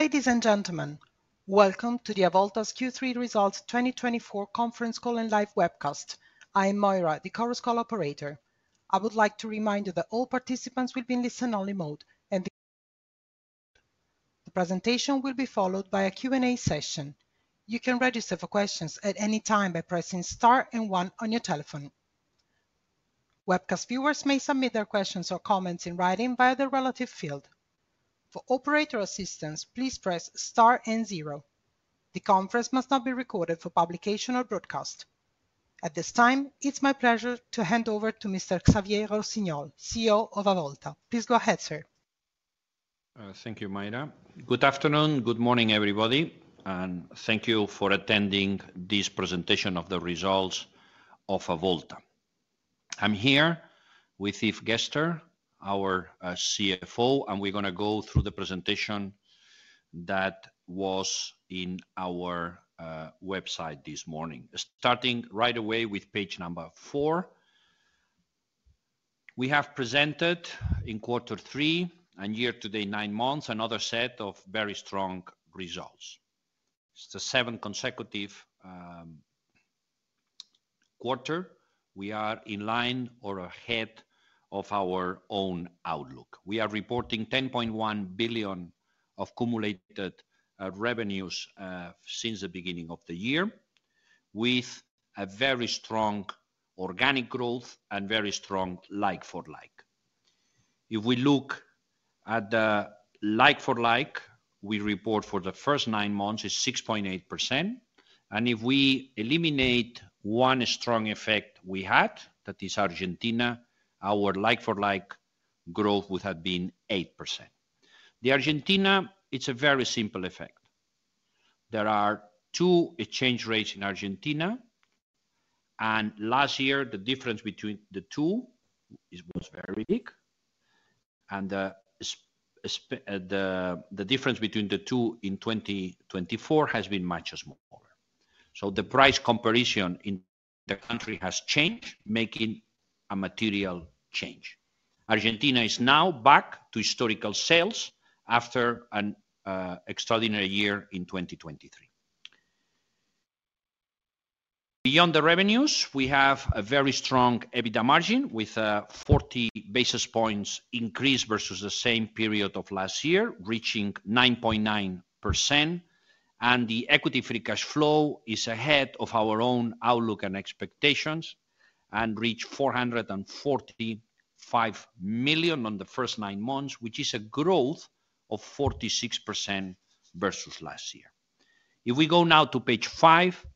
Ladies and gentlemen, welcome to the Avolta Q3 Results 2024 Conference Call and Live Webcast. I am Moira, the Chorus Call operator. I would like to remind you that all participants will be in listen-only mode, and the presentation will be followed by a Q&A session. You can register for questions at any time by pressing Star and one on your telephone. Webcast viewers may submit their questions or comments in writing via the relevant field. For operator assistance, please press Star and zero. The conference must not be recorded for publication or broadcast. At this time, it's my pleasure to hand over to Mr. Xavier Rossinyol, CEO of Avolta. Please go ahead, sir. Thank you, Moira. Good afternoon, good morning, everybody, and thank you for attending this presentation of the results of Avolta. I'm here with Yves Gerster, our CFO, and we're going to go through the presentation that was in our website this morning, starting right away with page number 4. We have presented in Q3 and year to date, nine months, another set of very strong results. It's the seventh consecutive quarter. We are in line or ahead of our own outlook. We are reporting 10.1 billion of cumulated revenues since the beginning of the year, with a very strong organic growth and very strong like-for-like. If we look at the like-for-like, we report for the first nine months is 6.8%, and if we eliminate one strong effect we had, that is Argentina, our like-for-like growth would have been 8%. The Argentina, it's a very simple effect. There are two exchange rates in Argentina, and last year, the difference between the two was very big, and the difference between the two in 2024 has been much smaller. So the price comparison in the country has changed, making a material change. Argentina is now back to historical sales after an extraordinary year in 2023. Beyond the revenues, we have a very strong EBITDA margin with a 40 basis points increase versus the same period of last year, reaching 9.9%, and the equity-free cash flow is ahead of our own outlook and expectations and reached 445 million in the first nine months, which is a growth of 46% versus last year. If we go now to page 5,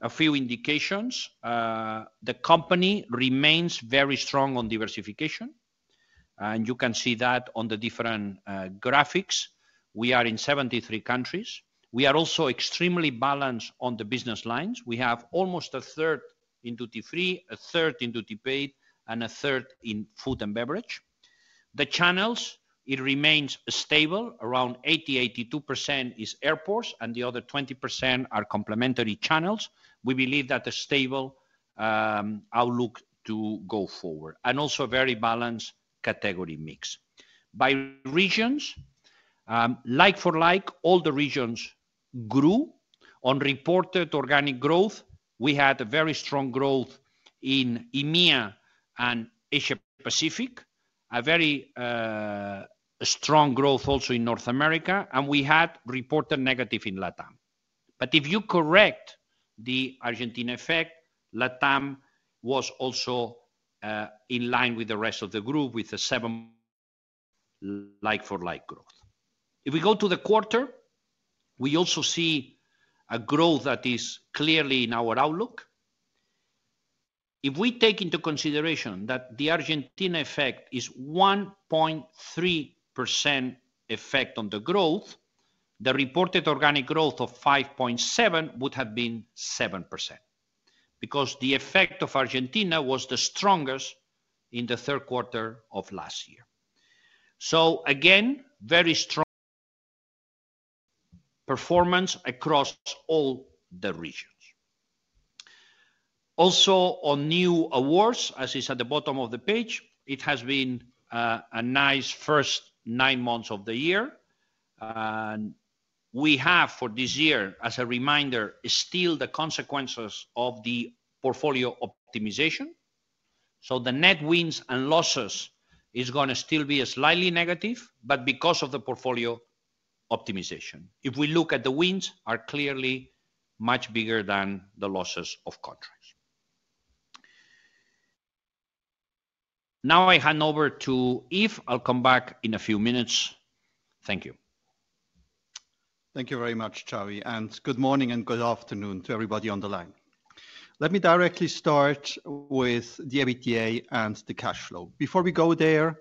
a few indications. The company remains very strong on diversification, and you can see that on the different graphics. We are in 73 countries. We are also extremely balanced on the business lines. We have almost a third in duty-free, a third in duty-paid, and a third in food and beverage. The channels, it remains stable. Around 80%-82% is airports, and the other 20% are complementary channels. We believe that a stable outlook going forward and also a very balanced category mix. By regions, like-for-like, all the regions grew. On reported organic growth, we had a very strong growth in EMEA and Asia-Pacific, a very strong growth also in North America, and we had reported negative in LATAM. But if you correct the Argentina effect, LATAM was also in line with the rest of the group with the 7% like-for-like growth. If we go to the quarter, we also see a growth that is clearly in our outlook. If we take into consideration that the Argentina effect is 1.3% effect on the growth, the reported organic growth of 5.7% would have been 7% because the effect of Argentina was the strongest in the third quarter of last year. So again, very strong performance across all the regions. Also, on new awards, as is at the bottom of the page, it has been a nice first nine months of the year. We have for this year, as a reminder, still the consequences of the portfolio optimization. So the net wins and losses are going to still be slightly negative, but because of the portfolio optimization. If we look at the wins, they are clearly much bigger than the losses of contracts. Now I hand over to Yves. I'll come back in a few minutes. Thank you. Thank you very much, Xavi, and good morning and good afternoon to everybody on the line. Let me directly start with the EBITDA and the cash flow. Before we go there,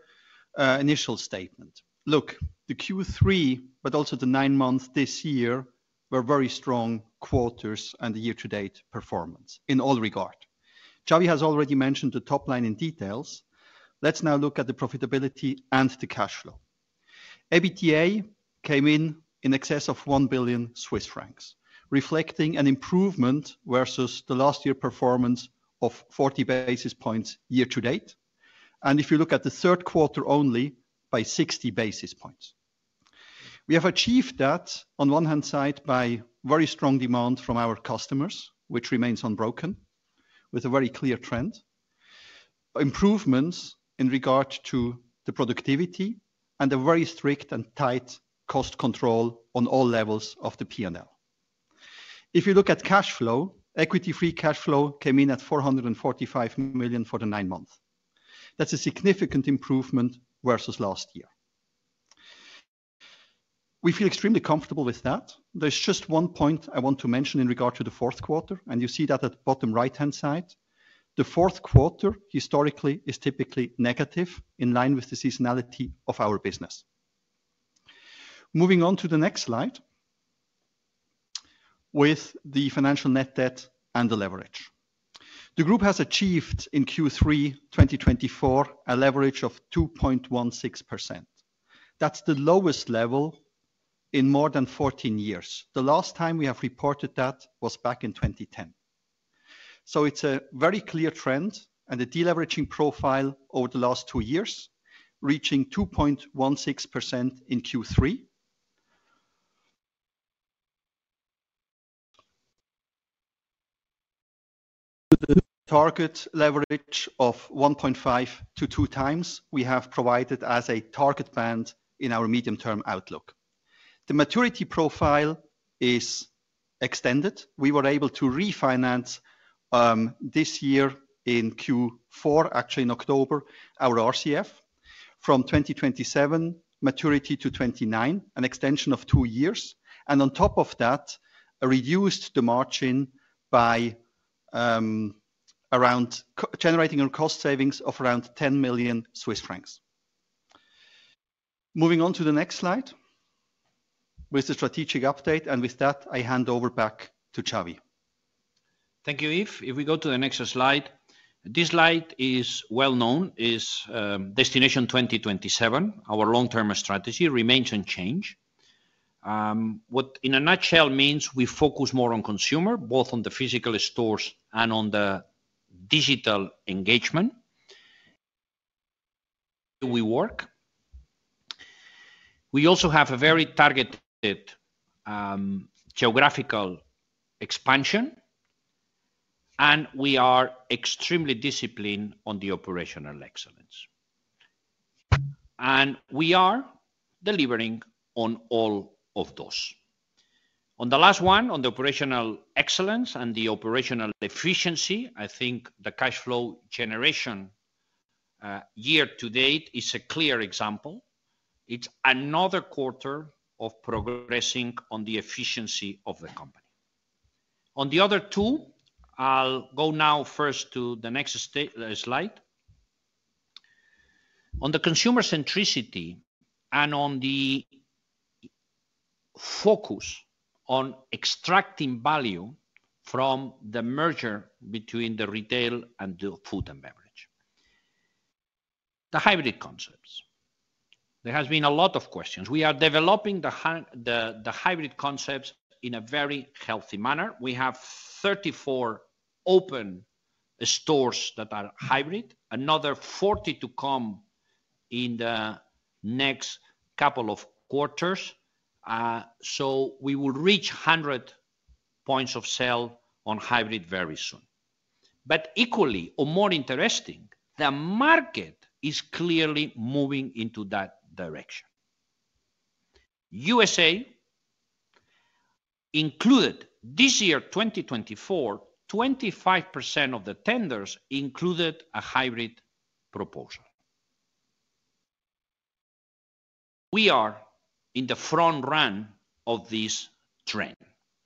initial statement. Look, the Q3, but also the nine months this year were very strong quarters and year-to-date performance in all regards. Xavi has already mentioned the top line in details. Let's now look at the profitability and the cash flow. EBITDA came in in excess of 1 billion Swiss francs, reflecting an improvement versus the last year performance of 40 basis points year-to-date. And if you look at the third quarter only, by 60 basis points. We have achieved that on one hand side by very strong demand from our customers, which remains unbroken, with a very clear trend, improvements in regards to the productivity, and a very strict and tight cost control on all levels of the P&L. If you look at cash flow, equity-free cash flow came in at 445 million for the nine months. That's a significant improvement versus last year. We feel extremely comfortable with that. There's just one point I want to mention in regards to the fourth quarter, and you see that at the bottom right-hand side. The fourth quarter historically is typically negative in line with the seasonality of our business. Moving on to the next slide with the financial net debt and the leverage. The group has achieved in Q3 2024 a leverage of 2.16%. That's the lowest level in more than 14 years. The last time we have reported that was back in 2010. So it's a very clear trend and a deleveraging profile over the last two years, reaching 2.16% in Q3. The target leverage of 1.5-2 times we have provided as a target band in our medium-term outlook. The maturity profile is extended. We were able to refinance this year in Q4, actually in October, our RCF from 2027 maturity to 2029, an extension of two years. And on top of that, reduced the margin by around generating a cost savings of around 10 million Swiss francs. Moving on to the next slide with the strategic update, and with that, I hand over back to Xavi. Thank you, Yves. If we go to the next slide, this slide is well known, is Destination 2027. Our long-term strategy remains unchanged, what in a nutshell means we focus more on consumer, both on the physical stores and on the digital engagement. We work. We also have a very targeted geographical expansion, and we are extremely disciplined on the operational excellence, and we are delivering on all of those. On the last one, on the operational excellence and the operational efficiency, I think the cash flow generation year-to-date is a clear example. It's another quarter of progressing on the efficiency of the company. On the other two, I'll go now first to the next slide. On the consumer centricity and on the focus on extracting value from the merger between the retail and the food and beverage, the hybrid concepts. There has been a lot of questions. We are developing the hybrid concepts in a very healthy manner. We have 34 open stores that are hybrid, another 40 to come in the next couple of quarters. So we will reach 100 points of sale on hybrid very soon. But equally, or more interesting, the market is clearly moving into that direction. USA included this year, 2024, 25% of the tenders included a hybrid proposal. We are in the front run of this trend,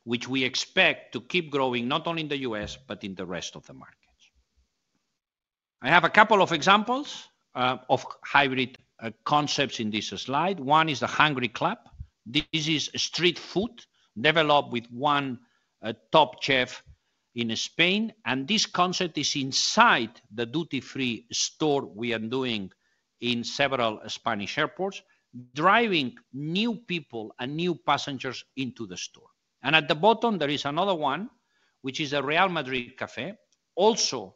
which we expect to keep growing not only in the U.S., but in the rest of the markets. I have a couple of examples of hybrid concepts in this slide. One is The Hungry Club. This is street food developed with one top chef in Spain, and this concept is inside the duty-free store we are doing in several Spanish airports, driving new people and new passengers into the store. And at the bottom, there is another one, which is the Real Madrid Café, also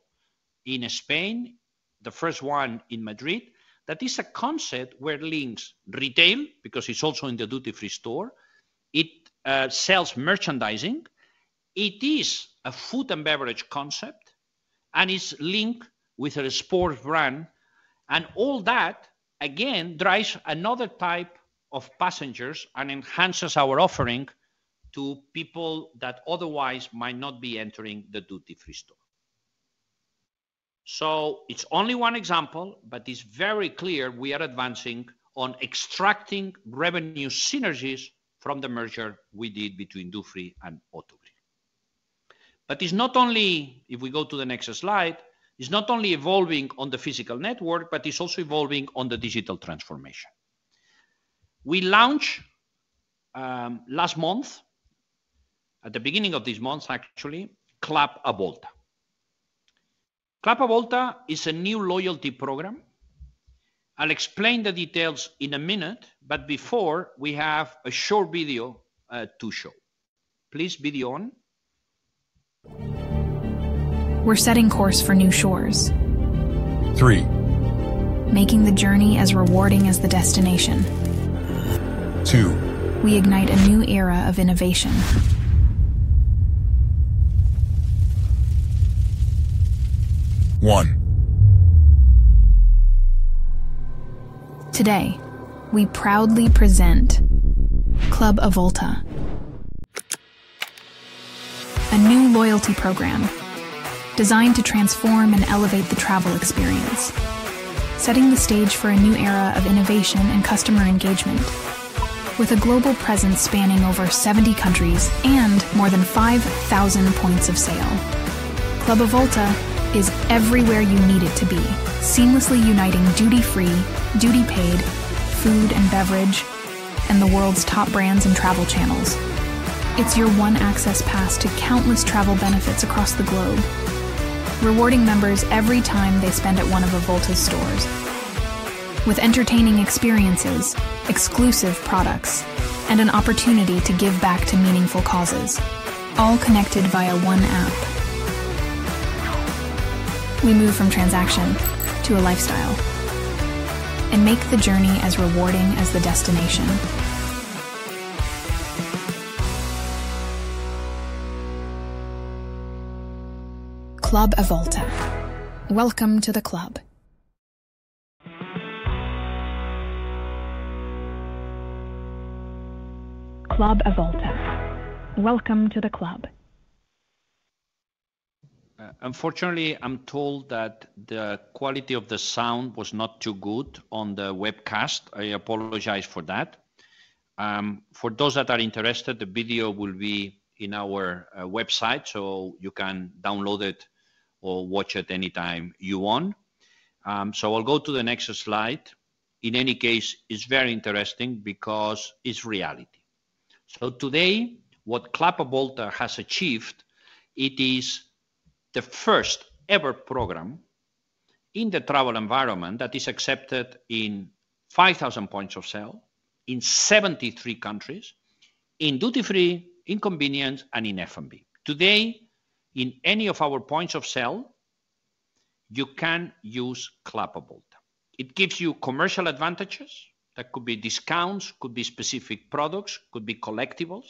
in Spain, the first one in Madrid. That is a concept where it links retail because it's also in the duty-free store. It sells merchandising. It is a food and beverage concept, and it's linked with a sports brand. And all that, again, drives another type of passengers and enhances our offering to people that otherwise might not be entering the duty-free store. So it's only one example, but it's very clear we are advancing on extracting revenue synergies from the merger we did between Dufry and Autogrill. But it's not only, if we go to the next slide, it's not only evolving on the physical network, but it's also evolving on the digital transformation. We launched last month, at the beginning of this month, actually, Club Avolta. Club Avolta is a new loyalty program. I'll explain the details in a minute, but before we have a short video to show. Please video on. We're setting course for new shores. Three. Making the journey as rewarding as the destination. Two. We ignite a new era of innovation. One. Today, we proudly present Club Avolta, a new loyalty program designed to transform and elevate the travel experience, setting the stage for a new era of innovation and customer engagement. With a global presence spanning over 70 countries and more than 5,000 points of sale, Club Avolta is everywhere you need it to be, seamlessly uniting duty-free, duty-paid, food and beverage, and the world's top brands and travel channels. It's your one-access pass to countless travel benefits across the globe, rewarding members every time they spend at one of Avolta's stores, with entertaining experiences, exclusive products, and an opportunity to give back to meaningful causes, all connected via one app. We move from transaction to a lifestyle and make the journey as rewarding as the destination. Club Avolta. Welcome to the club. Club Avolta. Welcome to the club. Unfortunately, I'm told that the quality of the sound was not too good on the webcast. I apologize for that. For those that are interested, the video will be in our website, so you can download it or watch it anytime you want. So I'll go to the next slide. In any case, it's very interesting because it's reality. So today, what Club Avolta has achieved, it is the first-ever program in the travel environment that is accepted in 5,000 points of sale in 73 countries, in duty-free, in convenience, and in F&B. Today, in any of our points of sale, you can use Club Avolta. It gives you commercial advantages that could be discounts, could be specific products, could be collectibles.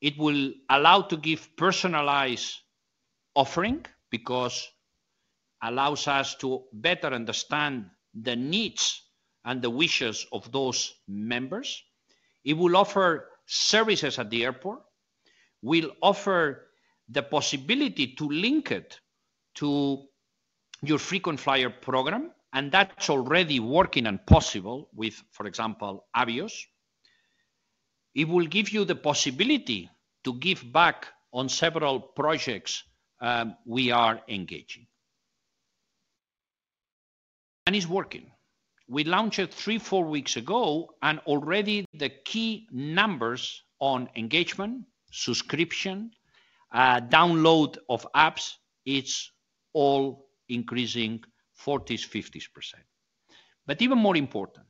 It will allow you to give personalized offerings because it allows us to better understand the needs and the wishes of those members. It will offer services at the airport. We'll offer the possibility to link it to your frequent flyer program, and that's already working and possible with, for example, Avios. It will give you the possibility to give back on several projects we are engaging. And it's working. We launched it three, four weeks ago, and already the key numbers on engagement, subscription, download of apps, it's all increasing 40s, 50s%. But even more important,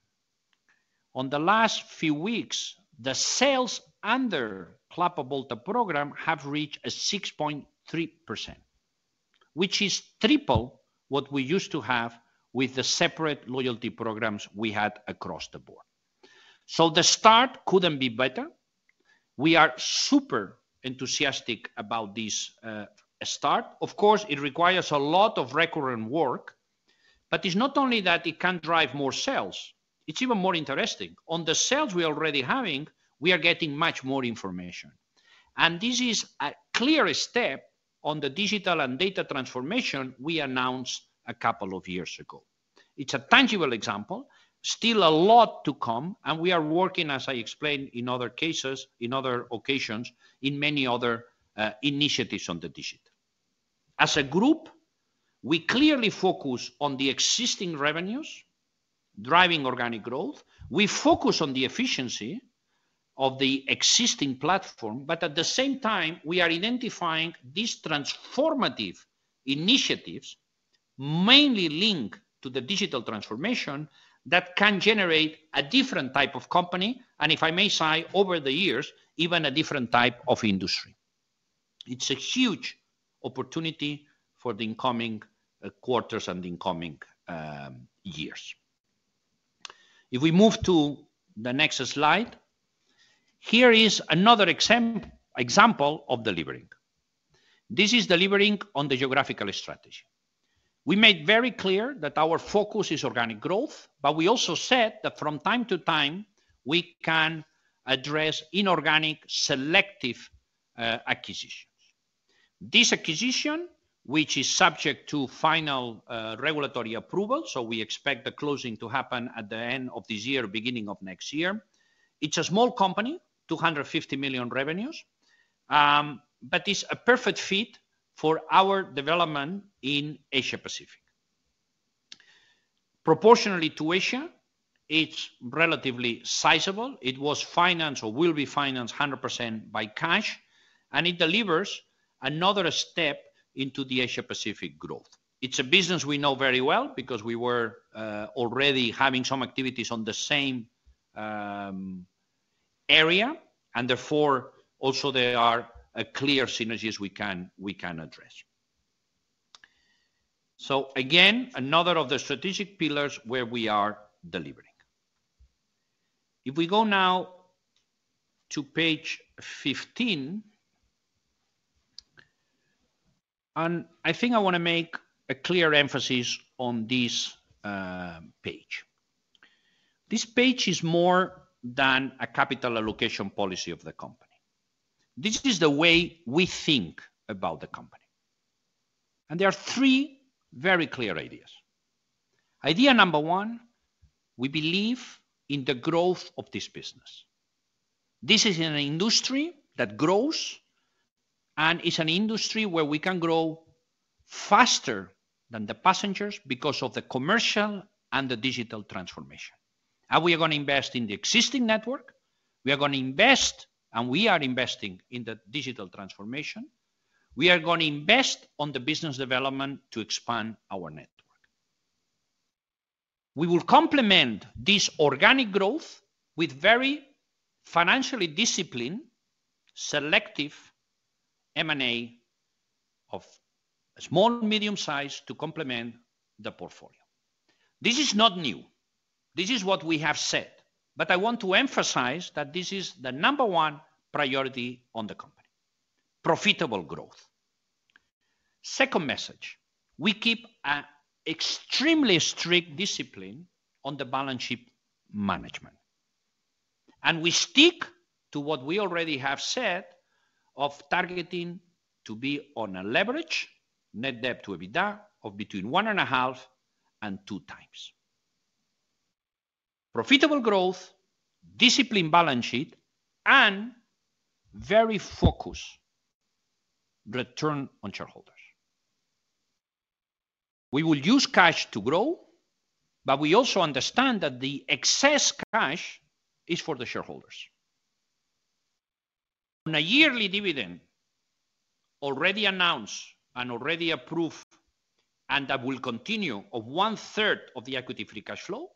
on the last few weeks, the sales under Club Avolta program have reached 6.3%, which is triple what we used to have with the separate loyalty programs we had across the board. So the start couldn't be better. We are super enthusiastic about this start. Of course, it requires a lot of recurrent work, but it's not only that it can drive more sales. It's even more interesting. On the sales we are already having, we are getting much more information. And this is a clear step on the digital and data transformation we announced a couple of years ago. It's a tangible example, still a lot to come, and we are working, as I explained in other cases, in other occasions, in many other initiatives on the digital. As a group, we clearly focus on the existing revenues driving organic growth. We focus on the efficiency of the existing platform, but at the same time, we are identifying these transformative initiatives mainly linked to the digital transformation that can generate a different type of company, and if I may say, over the years, even a different type of industry. It's a huge opportunity for the coming quarters and the coming years. If we move to the next slide, here is another example of delivering. This is delivering on the geographical strategy. We made very clear that our focus is organic growth, but we also said that from time to time, we can address inorganic selective acquisitions. This acquisition, which is subject to final regulatory approval. So we expect the closing to happen at the end of this year, beginning of next year. It's a small company, 250 million revenues, but it's a perfect fit for our development in Asia-Pacific. Proportionally to Asia, it's relatively sizable. It was financed or will be financed 100% by cash, and it delivers another step into the Asia-Pacific growth. It's a business we know very well because we were already having some activities on the same area, and therefore also there are clear synergies we can address. So again, another of the strategic pillars where we are delivering. If we go now to page 15, and I think I want to make a clear emphasis on this page. This page is more than a capital allocation policy of the company. This is the way we think about the company, and there are three very clear ideas. Idea number one, we believe in the growth of this business. This is an industry that grows, and it's an industry where we can grow faster than the passengers because of the commercial and the digital transformation, and we are going to invest in the existing network. We are going to invest, and we are investing in the digital transformation. We are going to invest on the business development to expand our network. We will complement this organic growth with very financially disciplined, selective M&A of small, medium size to complement the portfolio. This is not new. This is what we have said, but I want to emphasize that this is the number one priority on the company: profitable growth. Second message, we keep an extremely strict discipline on the balance sheet management. And we stick to what we already have said of targeting to be on a leverage net debt to EBITDA of between one and a half and two times. Profitable growth, disciplined balance sheet, and very focused return on shareholders. We will use cash to grow, but we also understand that the excess cash is for the shareholders. On a yearly dividend, already announced and already approved, and that will continue of one-third of the equity-free cash flow.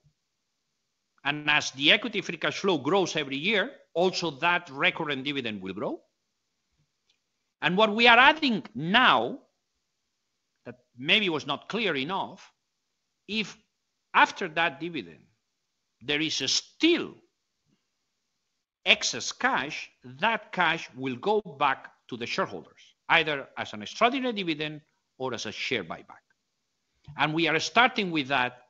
And as the equity-free cash flow grows every year, also that recurrent dividend will grow. What we are adding now, that maybe was not clear enough, if after that dividend, there is still excess cash, that cash will go back to the shareholders, either as an extraordinary dividend or as a share buyback. We are starting with that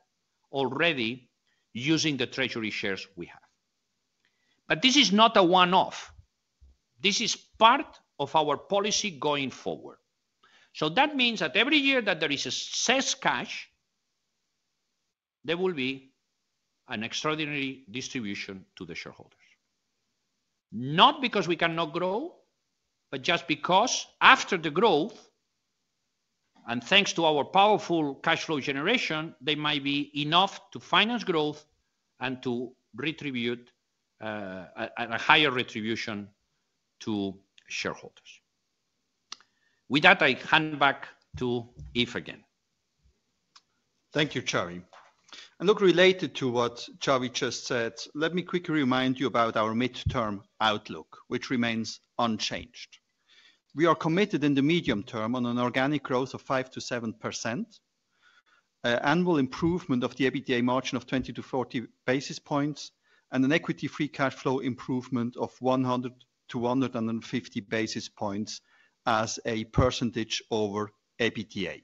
already using the treasury shares we have. This is not a one-off. This is part of our policy going forward. That means that every year that there is excess cash, there will be an extraordinary distribution to the shareholders. Not because we cannot grow, but just because after the growth, and thanks to our powerful cash flow generation, there might be enough to finance growth and to retribute at a higher retribution to shareholders. With that, I hand back to Yves again. Thank you, Xavier. And look, related to what Xavier just said, let me quickly remind you about our midterm outlook, which remains unchanged. We are committed in the medium term on an organic growth of 5-7%, annual improvement of the EBITDA margin of 20-40 basis points, and an equity-free cash flow improvement of 100-150 basis points as a percentage over EBITDA.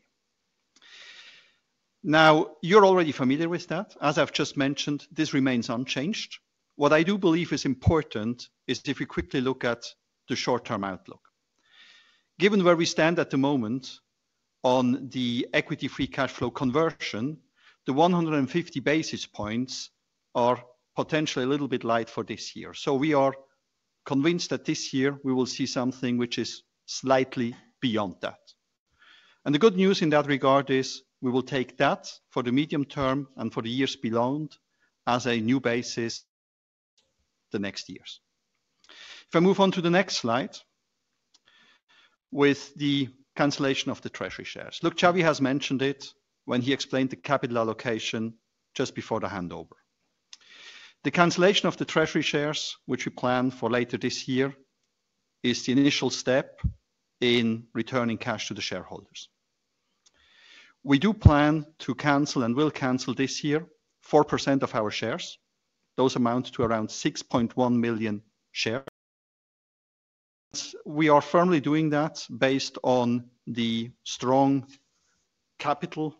Now, you're already familiar with that. As I've just mentioned, this remains unchanged. What I do believe is important is if we quickly look at the short-term outlook. Given where we stand at the moment on the equity-free cash flow conversion, the 150 basis points are potentially a little bit light for this year. So we are convinced that this year we will see something which is slightly beyond that. And the good news in that regard is we will take that for the medium term and for the years below as a new basis the next years. If I move on to the next slide with the cancellation of the treasury shares. Look, Xavi has mentioned it when he explained the capital allocation just before the handover. The cancellation of the treasury shares, which we plan for later this year, is the initial step in returning cash to the shareholders. We do plan to cancel and will cancel this year 4% of our shares. Those amount to around 6.1 million shares. We are firmly doing that based on the strong capital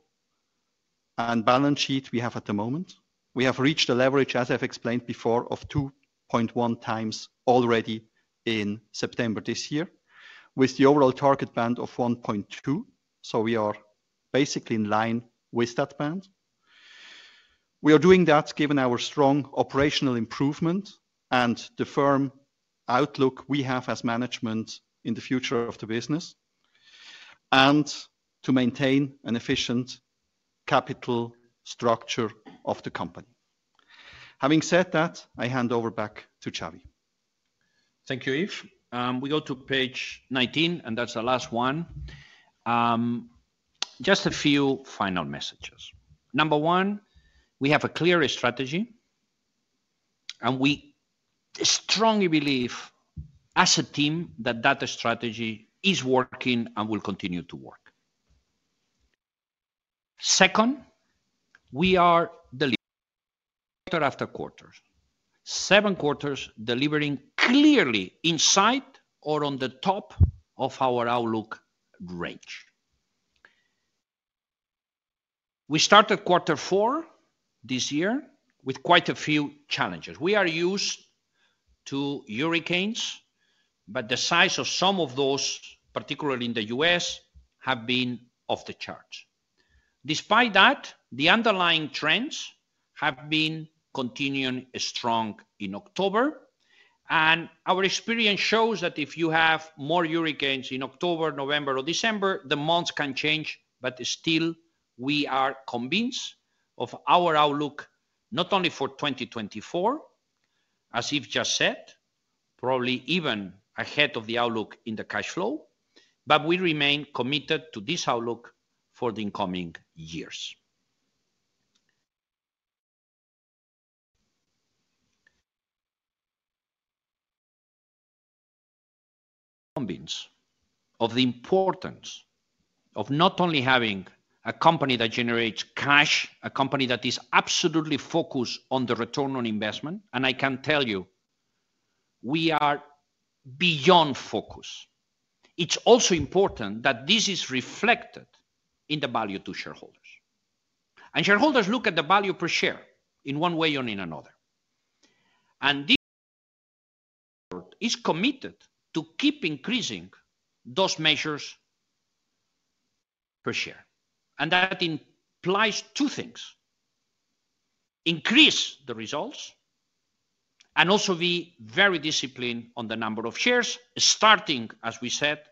and balance sheet we have at the moment. We have reached a leverage, as I've explained before, of 2.1 times already in September this year, with the overall target band of 1.2. So we are basically in line with that band. We are doing that given our strong operational improvement and the firm outlook we have as management in the future of the business, and to maintain an efficient capital structure of the company. Having said that, I hand over back to Xavier. Thank you, Yves. We go to page 19, and that's the last one. Just a few final messages. Number one, we have a clear strategy, and we strongly believe as a team that that strategy is working and will continue to work. Second, we are delivering quarter after quarter, seven quarters delivering clearly inside or on the top of our outlook range. We started quarter four this year with quite a few challenges. We are used to hurricanes, but the size of some of those, particularly in the U.S., have been off the charts. Despite that, the underlying trends have been continuing strong in October, and our experience shows that if you have more hurricanes in October, November, or December, the months can change, but still we are convinced of our outlook not only for 2024, as Yves just said, probably even ahead of the outlook in the cash flow, but we remain committed to this outlook for the incoming years. Convinced of the importance of not only having a company that generates cash, a company that is absolutely focused on the return on investment, and I can tell you, we are beyond focus. It's also important that this is reflected in the value to shareholders. Shareholders look at the value per share in one way or in another. This is committed to keep increasing those measures per share. That implies two things: increase the results and also be very disciplined on the number of shares, starting, as we said,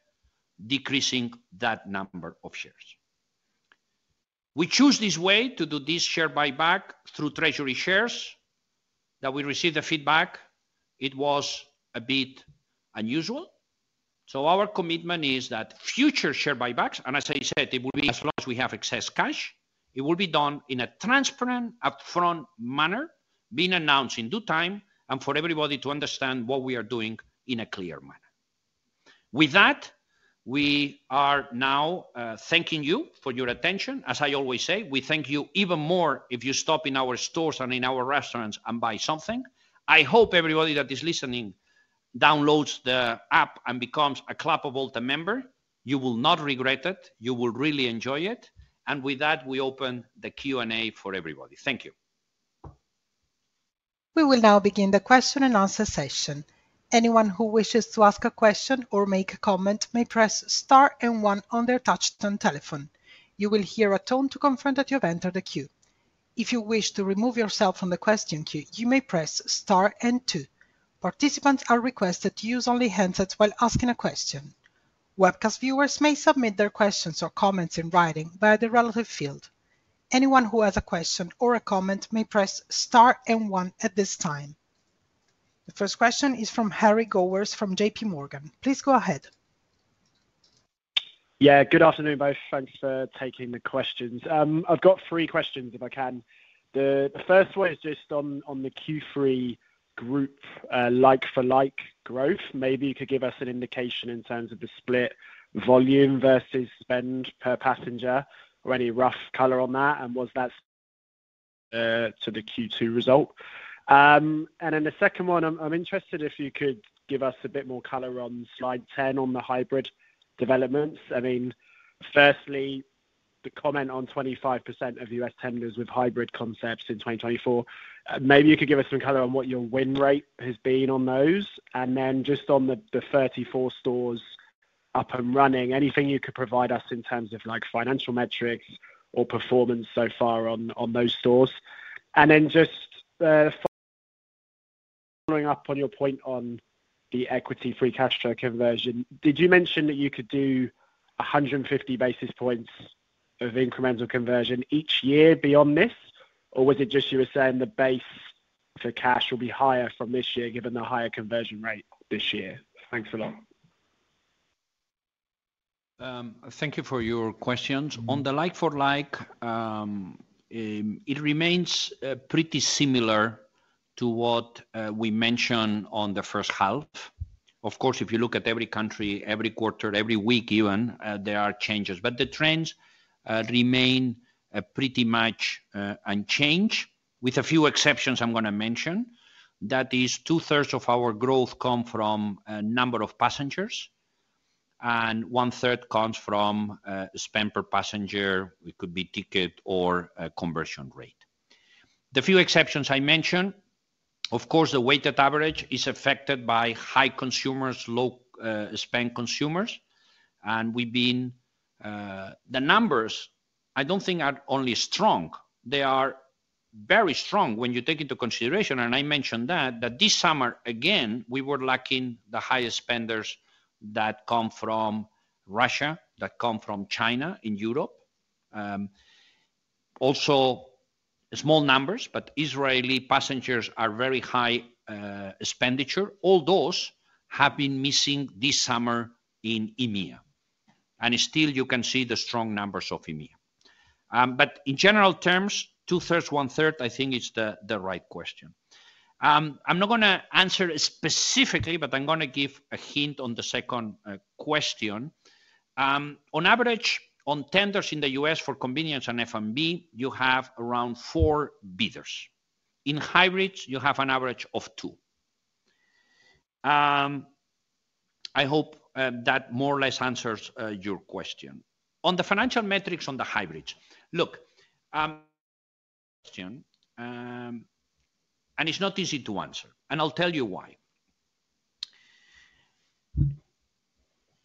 decreasing that number of shares. We choose this way to do this share buyback through treasury shares that we received the feedback. It was a bit unusual. So our commitment is that future share buybacks, and as I said, it will be as long as we have excess cash, it will be done in a transparent upfront manner, being announced in due time and for everybody to understand what we are doing in a clear manner. With that, we are now thanking you for your attention. As I always say, we thank you even more if you stop in our stores and in our restaurants and buy something. I hope everybody that is listening downloads the app and becomes a Club Avolta member. You will not regret it. You will really enjoy it. And with that, we open the Q&A for everybody. Thank you. We will now begin the question and answer session. Anyone who wishes to ask a question or make a comment may press Star and one on their touchtone telephone. You will hear a tone to confirm that you have entered a queue. If you wish to remove yourself from the question queue, you may press Star and two. Participants are requested to use only handsets while asking a question. Webcast viewers may submit their questions or comments in writing via the relevant field. Anyone who has a question or a comment may press Star and One at this time. The first question is from Harry Gowers from JPMorgan. Please go ahead. Yeah, good afternoon both. Thanks for taking the questions. I've got three questions if I can. The first one is just on the Q3 group like-for-like growth. Maybe you could give us an indication in terms of the split volume versus spend per passenger or any rough color on that, and was that to the Q2 result? And then the second one, I'm interested if you could give us a bit more color on slide 10 on the hybrid developments. I mean, firstly, the comment on 25% of U.S. tenders with hybrid concepts in 2024. Maybe you could give us some color on what your win rate has been on those. And then just on the 34 stores up and running, anything you could provide us in terms of financial metrics or performance so far on those stores. And then just following up on your point on the equity-free cash flow conversion, did you mention that you could do 150 basis points of incremental conversion each year beyond this, or was it just you were saying the base for cash will be higher from this year given the higher conversion rate this year? Thanks a lot. Thank you for your questions. On the like-for-like, it remains pretty similar to what we mentioned on the first half. Of course, if you look at every country, every quarter, every week even, there are changes, but the trends remain pretty much unchanged with a few exceptions I'm going to mention. That is, two-thirds of our growth come from a number of passengers, and one-third comes from spend per passenger. It could be ticket or conversion rate. The few exceptions I mentioned, of course, the weighted average is affected by high-spend consumers, low-spend consumers. And the numbers, I don't think, are only strong. They are very strong when you take into consideration, and I mentioned that, that this summer, again, we were lacking the highest spenders that come from Russia, that come from China in Europe. Also, small numbers, but Israeli passengers are very high expenditure. All those have been missing this summer in EMEA, and still, you can see the strong numbers of EMEA, but in general terms, two-thirds, one-third, I think is the right question. I'm not going to answer specifically, but I'm going to give a hint on the second question. On average, on tenders in the U.S. for convenience and F&B, you have around four bidders. In hybrids, you have an average of two. I hope that more or less answers your question. On the financial metrics on the hybrids, look, and it's not easy to answer, and I'll tell you why.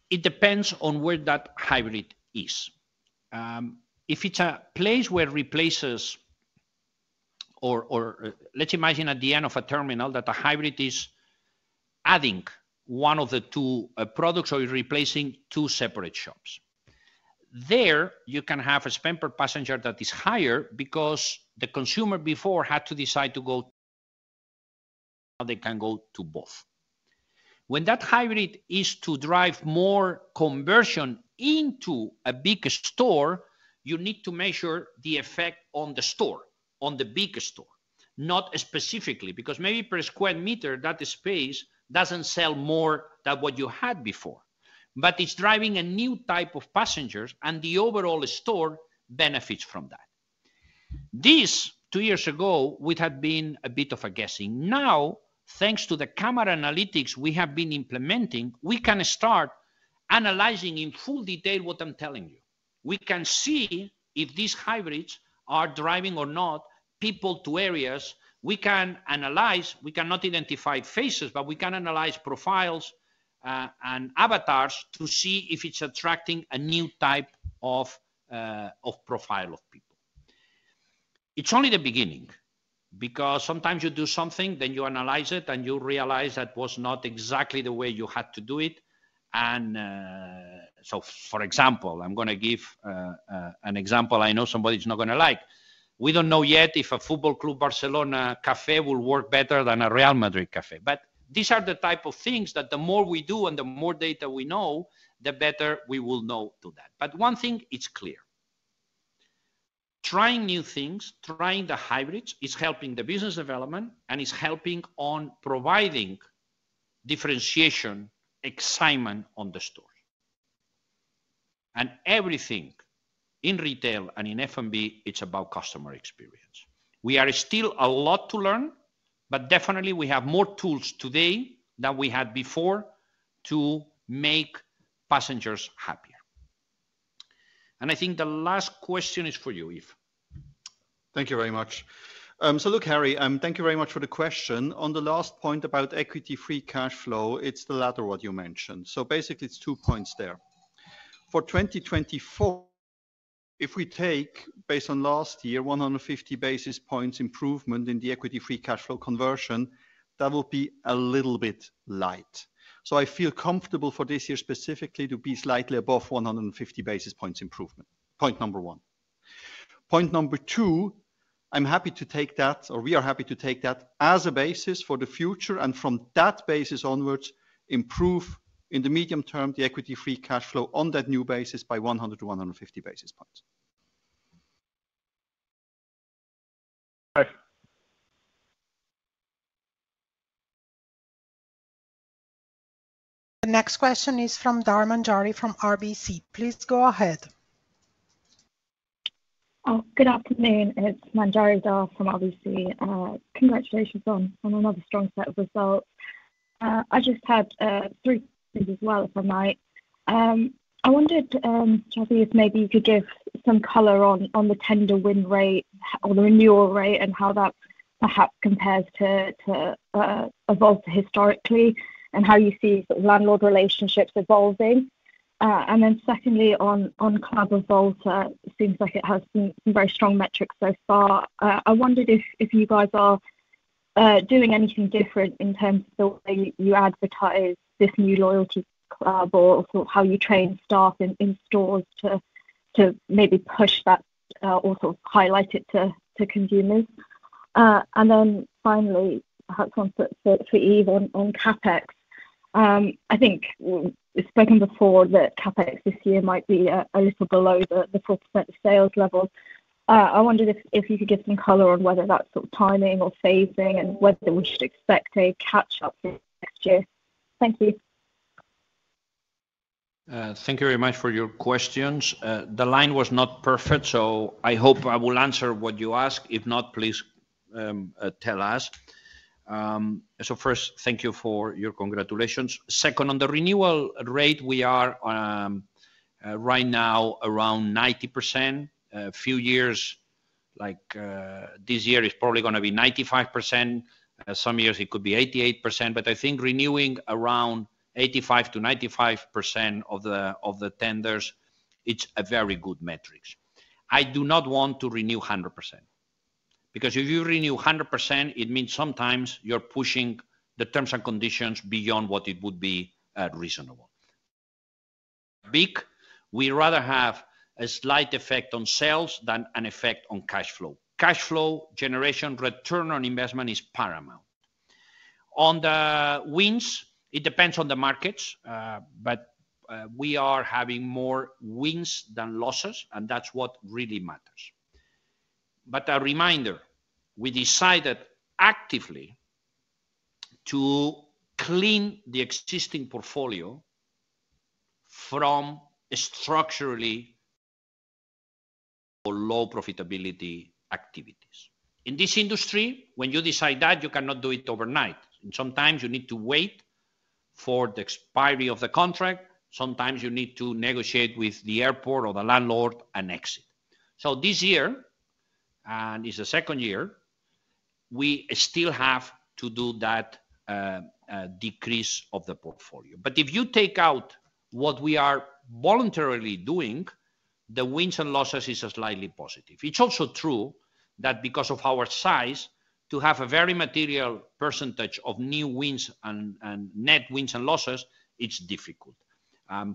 It depends on where that hybrid is. If it's a place where it replaces, or let's imagine at the end of a terminal that a hybrid is adding one of the two products or replacing two separate shops, there you can have a spend per passenger that is higher because the consumer before had to decide to go to both. When that hybrid is to drive more conversion into a big store, you need to measure the effect on the store, on the big store, not specifically because maybe per square meter that space doesn't sell more than what you had before, but it's driving a new type of passengers, and the overall store benefits from that. This, two years ago, would have been a bit of a guessing. Now, thanks to the camera analytics we have been implementing, we can start analyzing in full detail what I'm telling you. We can see if these hybrids are driving or not people to areas. We can analyze. We cannot identify faces, but we can analyze profiles and avatars to see if it's attracting a new type of profile of people. It's only the beginning because sometimes you do something, then you analyze it, and you realize that was not exactly the way you had to do it. And so, for example, I'm going to give an example I know somebody's not going to like. We don't know yet if an FC Barcelona café will work better than a Real Madrid Café, but these are the type of things that the more we do and the more data we know, the better we will know that. But one thing is clear. Trying new things, trying the hybrids is helping the business development, and it's helping on providing differentiation, excitement on the store. And everything in retail and in F&B, it's about customer experience. We still have a lot to learn, but definitely we have more tools today than we had before to make passengers happier. And I think the last question is for you, Yves. Thank you very much. So look, Harry, thank you very much for the question. On the last point about equity-free cash flow, it's the latter what you mentioned. So basically, it's two points there. For 2024, if we take based on last year 150 basis points improvement in the equity-free cash flow conversion, that will be a little bit light. So I feel comfortable for this year specifically to be slightly above 150 basis points improvement, point number one. Point number two, I'm happy to take that, or we are happy to take that as a basis for the future, and from that basis onwards, improve in the medium term the equity-free cash flow on that new basis by 100-150 basis points. The next question is from Manjari Dhar from RBC. Please go ahead. Oh, good afternoon. It's Manjari Dhar from RBC. Congratulations on another strong set of results. I just had three questions as well, if I may. I wondered, Xavier, if maybe you could give some color on the tender win rate or the renewal rate and how that perhaps compares to Avolta historically and how you see landlord relationships evolving. And then secondly, on Club Avolta, it seems like it has some very strong metrics so far. I wondered if you guys are doing anything different in terms of the way you advertise this new loyalty club or how you train staff in stores to maybe push that or sort of highlight it to consumers. And then finally, perhaps one for Yves on CapEx. I think we've spoken before that CapEx this year might be a little below the 4% sales level. I wondered if you could give some color on whether that's sort of timing or phasing and whether we should expect a catch-up next year. Thank you. Thank you very much for your questions. The line was not perfect, so I hope I will answer what you ask. If not, please tell us. So first, thank you for your congratulations. Second, on the renewal rate, we are right now around 90%. A few years like this year is probably going to be 95%. Some years it could be 88%, but I think renewing around 85%-95% of the tenders, it's a very good metric. I do not want to renew 100% because if you renew 100%, it means sometimes you're pushing the terms and conditions beyond what it would be reasonable. But, we rather have a slight effect on sales than an effect on cash flow. Cash flow generation, return on investment is paramount. On the wins, it depends on the markets, but we are having more wins than losses, and that's what really matters. But a reminder, we decided actively to clean the existing portfolio from structurally low profitability activities. In this industry, when you decide that, you cannot do it overnight. Sometimes you need to wait for the expiry of the contract. Sometimes you need to negotiate with the airport or the landlord and exit. So this year, and it's the second year, we still have to do that decrease of the portfolio. But if you take out what we are voluntarily doing, the wins and losses is slightly positive. It's also true that because of our size, to have a very material percentage of new wins and net wins and losses, it's difficult.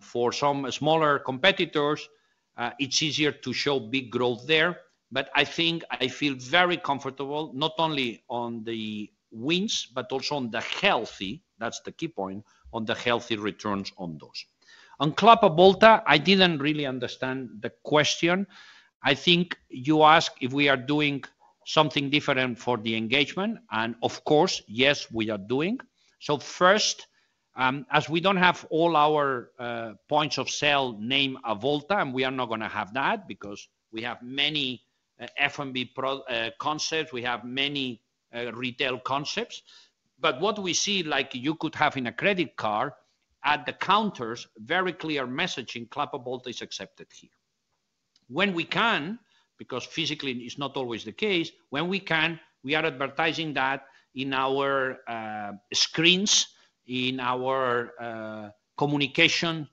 For some smaller competitors, it's easier to show big growth there, but I think I feel very comfortable not only on the wins, but also on the healthy, that's the key point, on the healthy returns on those. On Club Avolta, I didn't really understand the question. I think you asked if we are doing something different for the engagement, and of course, yes, we are doing. So first, as we don't have all our points of sale named Avolta, and we are not going to have that because we have many F&B concepts, we have many retail concepts, but what we see, like you could have in a credit card at the counters, very clear messaging, Club Avolta is accepted here. When we can, because physically it's not always the case, when we can, we are advertising that in our screens, in our communication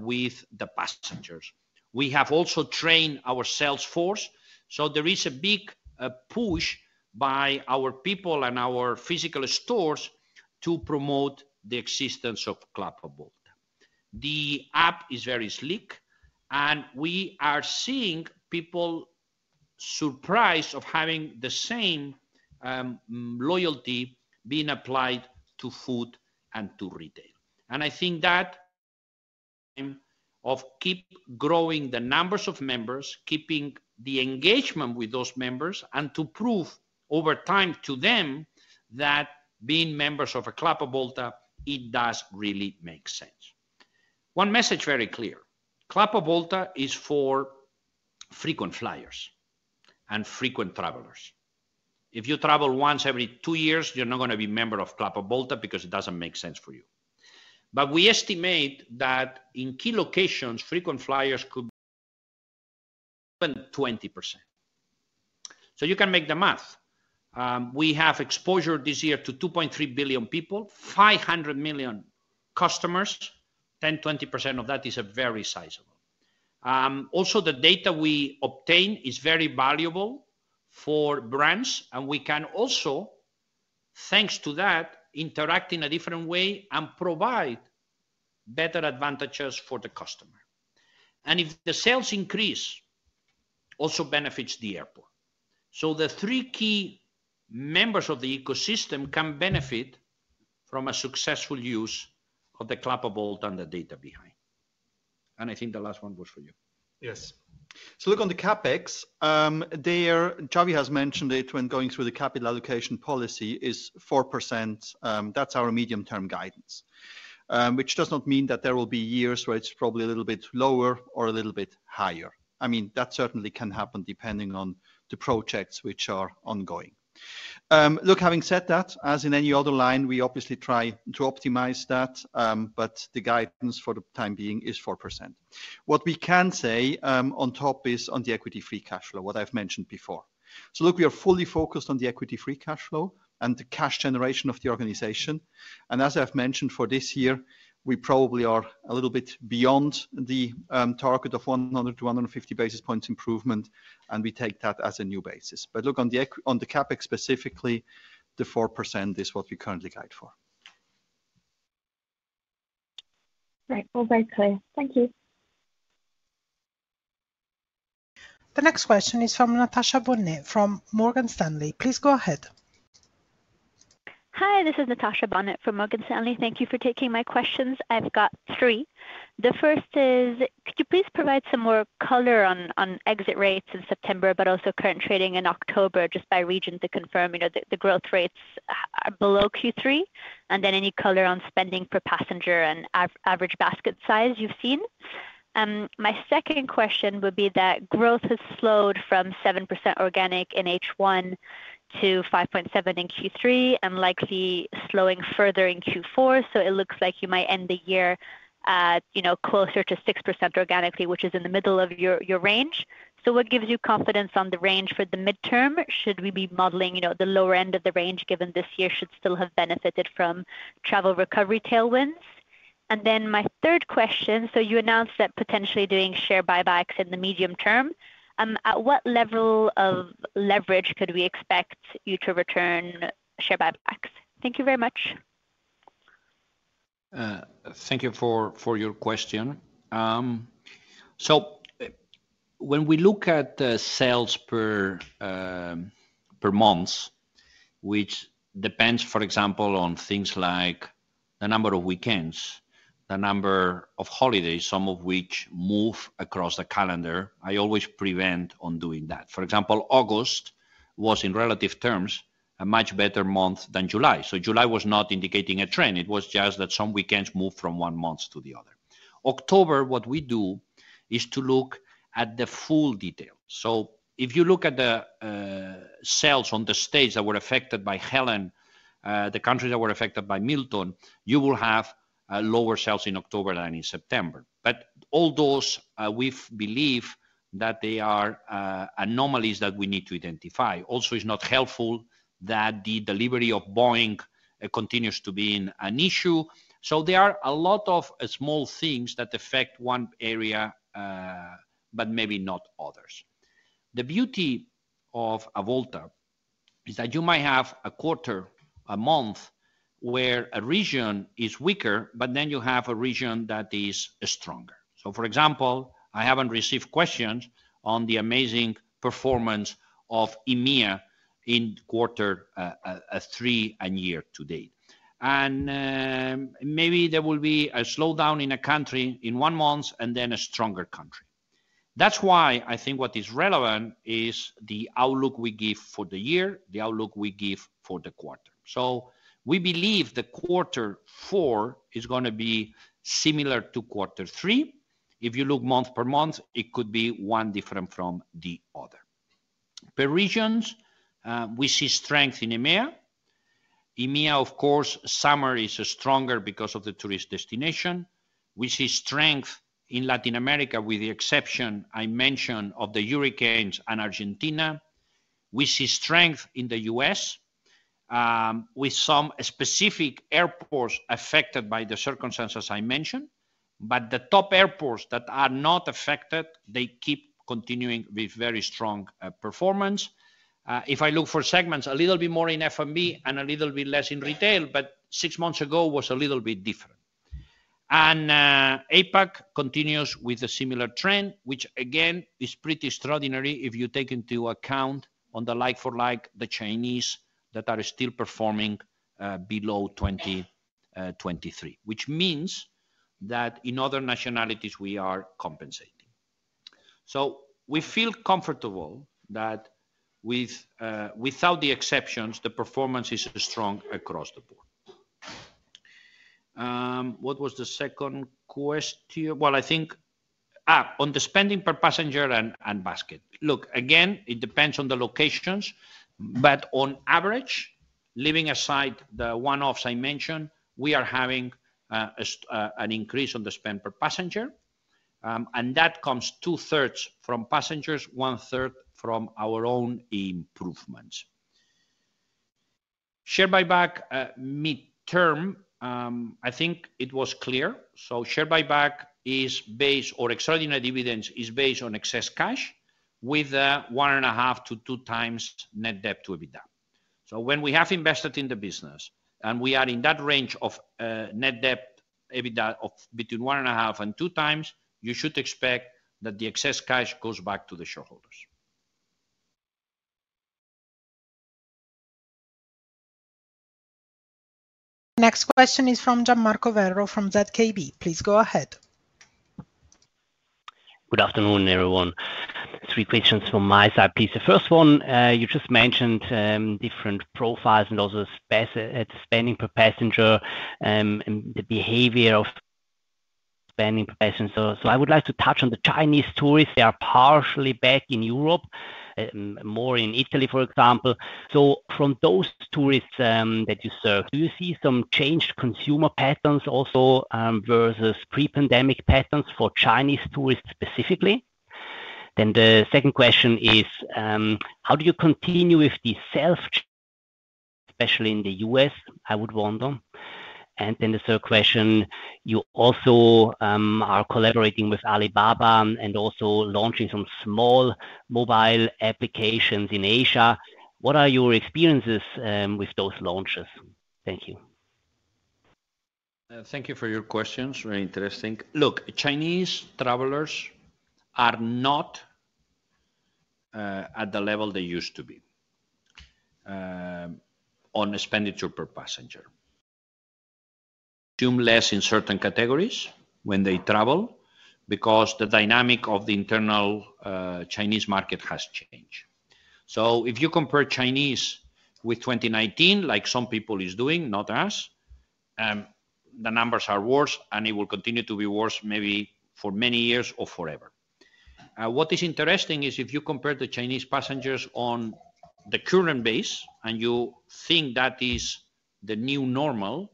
with the passengers. We have also trained our sales force, so there is a big push by our people and our physical stores to promote the existence of Club Avolta. The app is very slick, and we are seeing people surprised at having the same loyalty being applied to food and to retail. And I think that if we keep growing the numbers of members, keeping the engagement with those members, and to prove over time to them that being members of Club Avolta, it does really make sense. One message very clear. Club Avolta is for frequent flyers and frequent travelers. If you travel once every two years, you're not going to be a member of Club Avolta because it doesn't make sense for you. But we estimate that in key locations, frequent flyers could be 20%. So you can do the math. We have exposure this year to 2.3 billion people, 500 million customers, 10-20% of that is very sizable. Also, the data we obtain is very valuable for brands, and we can also, thanks to that, interact in a different way and provide better advantages for the customer. And if the sales increase, also benefits the airport. So the three key members of the ecosystem can benefit from a successful use of the Club Avolta and the data behind. And I think the last one was for you. Yes. So look on the CapEx, Xavi has mentioned it when going through the capital allocation policy is 4%. That's our medium-term guidance, which does not mean that there will be years where it's probably a little bit lower or a little bit higher. I mean, that certainly can happen depending on the projects which are ongoing. Look, having said that, as in any other line, we obviously try to optimize that, but the guidance for the time being is 4%. What we can say on top is on the Equity-Free Cash Flow, what I've mentioned before. So look, we are fully focused on the Equity-Free Cash Flow and the cash generation of the organization. And as I've mentioned for this year, we probably are a little bit beyond the target of 100-150 basis points improvement, and we take that as a new basis. But look, on the CapEx specifically, the 4% is what we currently guide for. Right. All very clear. Thank you. The next question is from Natasha Bonnet from Morgan Stanley. Please go ahead. Hi, this is Natasha Bonnet from Morgan Stanley. Thank you for taking my questions. I've got three. The first is, could you please provide some more color on exit rates in September, but also current trading in October just by region to confirm the growth rates below Q3, and then any color on spending per passenger and average basket size you've seen? My second question would be that growth has slowed from 7% organic in H1 to 5.7% in Q3 and likely slowing further in Q4. So it looks like you might end the year closer to 6% organically, which is in the middle of your range. So what gives you confidence on the range for the midterm? Should we be modeling the lower end of the range given this year should still have benefited from travel recovery tailwinds? And then my third question, so you announced that potentially doing share buybacks in the medium term. At what level of leverage could we expect you to return share buybacks? Thank you very much. Thank you for your question. When we look at sales per month, which depends, for example, on things like the number of weekends, the number of holidays, some of which move across the calendar, I always prefer not doing that. For example, August was, in relative terms, a much better month than July. July was not indicating a trend. It was just that some weekends moved from one month to the other. For October, what we do is to look at the full detail. If you look at the sales in the states that were affected by Helene, the states that were affected by Milton, you will have lower sales in October than in September. But all those, we believe that they are anomalies that we need to identify. Also, it is not helpful that the delivery of Boeing continues to be an issue. There are a lot of small things that affect one area, but maybe not others. The beauty of Avolta is that you might have a quarter, a month where a region is weaker, but then you have a region that is stronger. For example, I haven't received questions on the amazing performance of EMEA in quarter three and year to date, and maybe there will be a slowdown in a country in one month and then a stronger country. That's why I think what is relevant is the outlook we give for the year, the outlook we give for the quarter. We believe the quarter four is going to be similar to quarter three. If you look month per month, it could be one different from the other. Per regions, we see strength in EMEA. EMEA, of course, summer is stronger because of the tourist destination. We see strength in Latin America with the exception I mentioned of the hurricanes and Argentina. We see strength in the U.S. with some specific airports affected by the circumstances I mentioned, but the top airports that are not affected, they keep continuing with very strong performance. If I look for segments, a little bit more in F&B and a little bit less in retail, but six months ago was a little bit different, and APAC continues with a similar trend, which again is pretty extraordinary if you take into account on the like-for-like the Chinese that are still performing below 2023, which means that in other nationalities, we are compensating. So we feel comfortable that without the exceptions, the performance is strong across the board. What was the second question? Well, I think on the spending per passenger and basket. Look, again, it depends on the locations, but on average, leaving aside the one-offs I mentioned, we are having an increase on the spend per passenger, and that comes two-thirds from passengers, one-third from our own improvements. Share buyback midterm, I think it was clear. So share buyback is based or extraordinary dividends is based on excess cash with one and a half to two times net debt to EBITDA. So when we have invested in the business and we are in that range of net debt EBITDA of between one and a half and two times, you should expect that the excess cash goes back to the shareholders. Next question is from Gianmarco Macro Werro from ZKB. Please go ahead. Good afternoon, everyone. Three questions from my side, please. The first one, you just mentioned different profiles and also spending per passenger and the behavior of spending per passenger. So I would like to touch on the Chinese tourists. They are partially back in Europe, more in Italy, for example. So from those tourists that you serve, do you see some changed consumer patterns also versus pre-pandemic patterns for Chinese tourists specifically? Then the second question is, how do you continue with the self-scan, especially in the U.S., I would wonder? And then the third question, you also are collaborating with Alibaba and also launching some small mobile applications in Asia. What are your experiences with those launches? Thank you. Thank you for your questions. Very interesting. Look, Chinese travelers are not at the level they used to be on expenditure per passenger. Consume less in certain categories when they travel because the dynamic of the internal Chinese market has changed. So if you compare Chinese with 2019, like some people are doing, not us, the numbers are worse and it will continue to be worse maybe for many years or forever. What is interesting is if you compare the Chinese passengers on the current base and you think that is the new normal,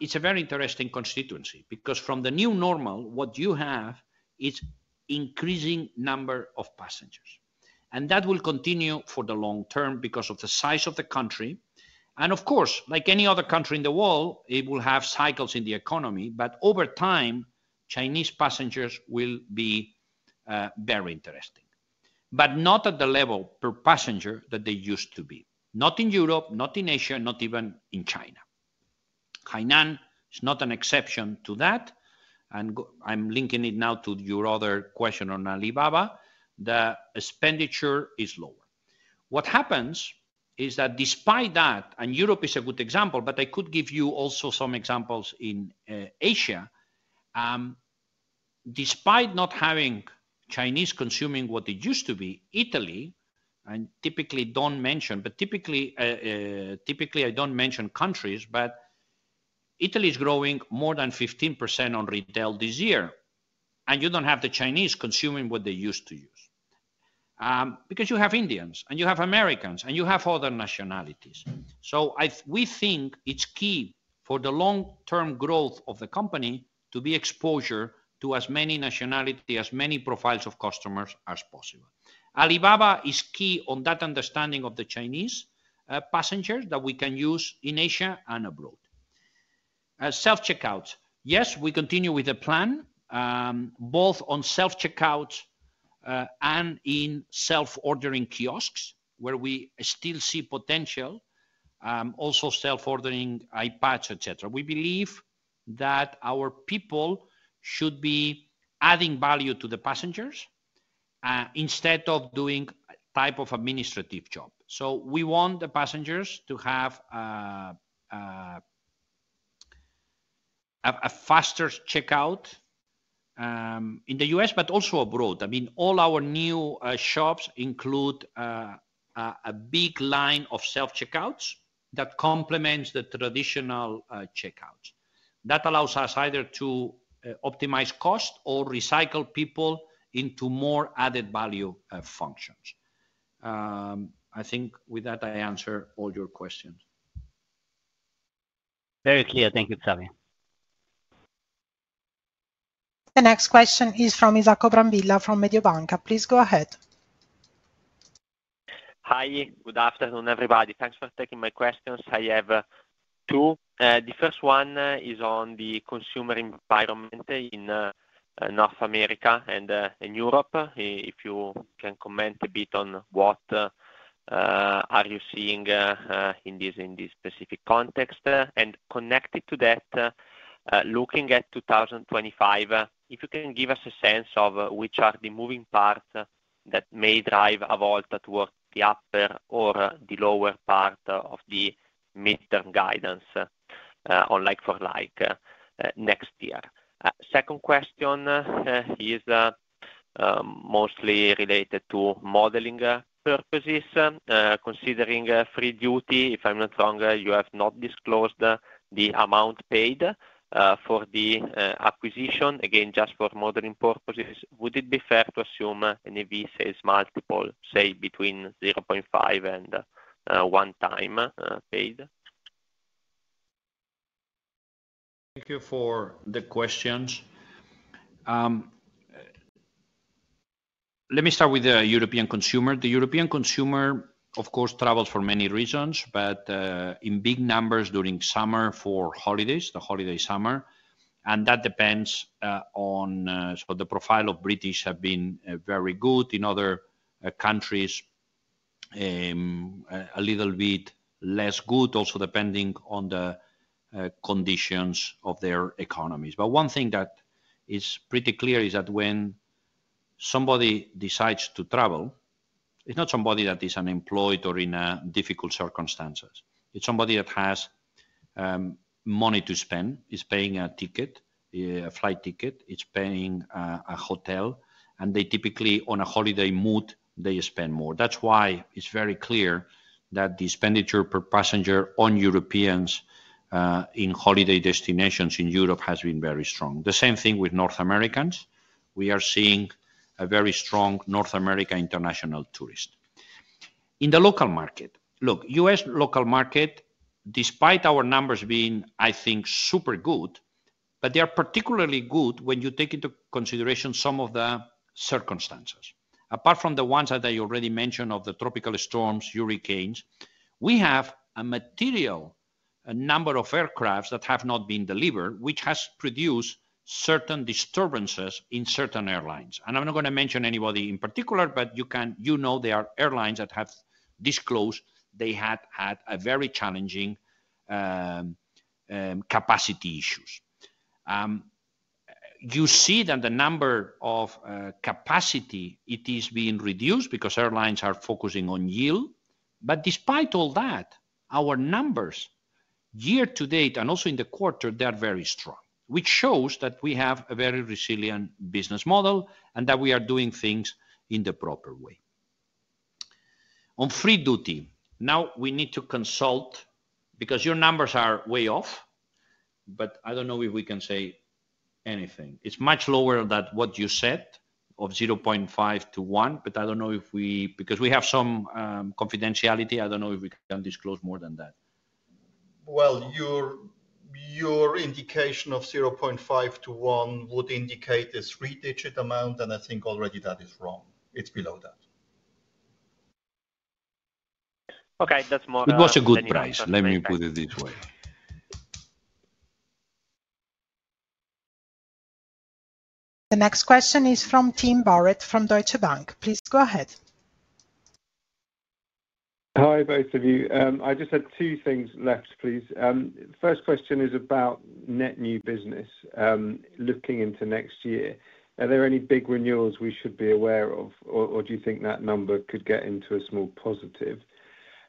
it's a very interesting constituency because from the new normal, what you have is an increasing number of passengers, and that will continue for the long term because of the size of the country. Of course, like any other country in the world, it will have cycles in the economy, but over time, Chinese passengers will be very interesting, but not at the level per passenger that they used to be. Not in Europe, not in Asia, not even in China. Hainan is not an exception to that. And I'm linking it now to your other question on Alibaba. The expenditure is lower. What happens is that despite that, and Europe is a good example, but I could give you also some examples in Asia. Despite not having Chinese consuming what it used to be, Italy, and typically don't mention, but typically I don't mention countries, but Italy is growing more than 15% on retail this year. And you don't have the Chinese consuming what they used to use because you have Indians and you have Americans and you have other nationalities. So we think it's key for the long-term growth of the company to be exposure to as many nationalities, as many profiles of customers as possible. Alibaba is key on that understanding of the Chinese passengers that we can use in Asia and abroad. Self-checkouts, yes, we continue with the plan both on self-checkouts and in self-ordering kiosks where we still see potential, also self-ordering iPads, etc. We believe that our people should be adding value to the passengers instead of doing a type of administrative job. So we want the passengers to have a faster checkout in the U.S., but also abroad. I mean, all our new shops include a big line of self-checkouts that complements the traditional checkouts. That allows us either to optimize cost or recycle people into more added value functions. I think with that, I answer all your questions. Very clear. Thank you, Xavier. The next question is from Isacco Brambilla from Mediobanca. Please go ahead. Hi. Good afternoon, everybody. Thanks for taking my questions. I have two. The first one is on the consumer environment in North America and in Europe. If you can comment a bit on what are you seeing in this specific context. And connected to that, looking at 2025, if you can give us a sense of which are the moving parts that may drive Avolta towards the upper or the lower part of the mid-term guidance on like-for-like next year. Second question is mostly related to modeling purposes. Considering Free Duty, if I'm not wrong, you have not disclosed the amount paid for the acquisition. Again, just for modeling purposes, would it be fair to assume an EV sales multiple, say, between 0.5x and 1x paid? Thank you for the questions. Let me start with the European consumer. The European consumer, of course, travels for many reasons, but in big numbers during summer for holidays, the holiday summer. And that depends on the profile of British have been very good. In other countries, a little bit less good, also depending on the conditions of their economies. But one thing that is pretty clear is that when somebody decides to travel, it's not somebody that is unemployed or in difficult circumstances. It's somebody that has money to spend. It's paying a ticket, a flight ticket. It's paying a hotel. And they typically, on a holiday mood, they spend more. That's why it's very clear that the expenditure per passenger on Europeans in holiday destinations in Europe has been very strong. The same thing with North Americans. We are seeing a very strong North American international tourist. In the local market, look, U.S. local market, despite our numbers being, I think, super good, but they are particularly good when you take into consideration some of the circumstances. Apart from the ones that I already mentioned of the tropical storms, hurricanes, we have a material, a number of aircrafts that have not been delivered, which has produced certain disturbances in certain airlines. And I'm not going to mention anybody in particular, but you know there are airlines that have disclosed they had had very challenging capacity issues. You see that the number of capacity, it is being reduced because airlines are focusing on yield. But despite all that, our numbers year to date and also in the quarter, they are very strong, which shows that we have a very resilient business model and that we are doing things in the proper way. On Free Duty, now we need to consult because your numbers are way off, but I don't know if we can say anything. It's much lower than what you said of 0.5-1, but I don't know if we because we have some confidentiality. I don't know if we can disclose more than that. Your indication of 0.5-1 would indicate a three-digit amount, and I think already that is wrong. It's below that. Okay. That's more than a minimum. It was a good price. Let me put it this way. The next question is from Tim Barrett from Deutsche Bank. Please go ahead. Hi, both of you. I just had two things left, please. First question is about net new business looking into next year. Are there any big renewals we should be aware of, or do you think that number could get into a small positive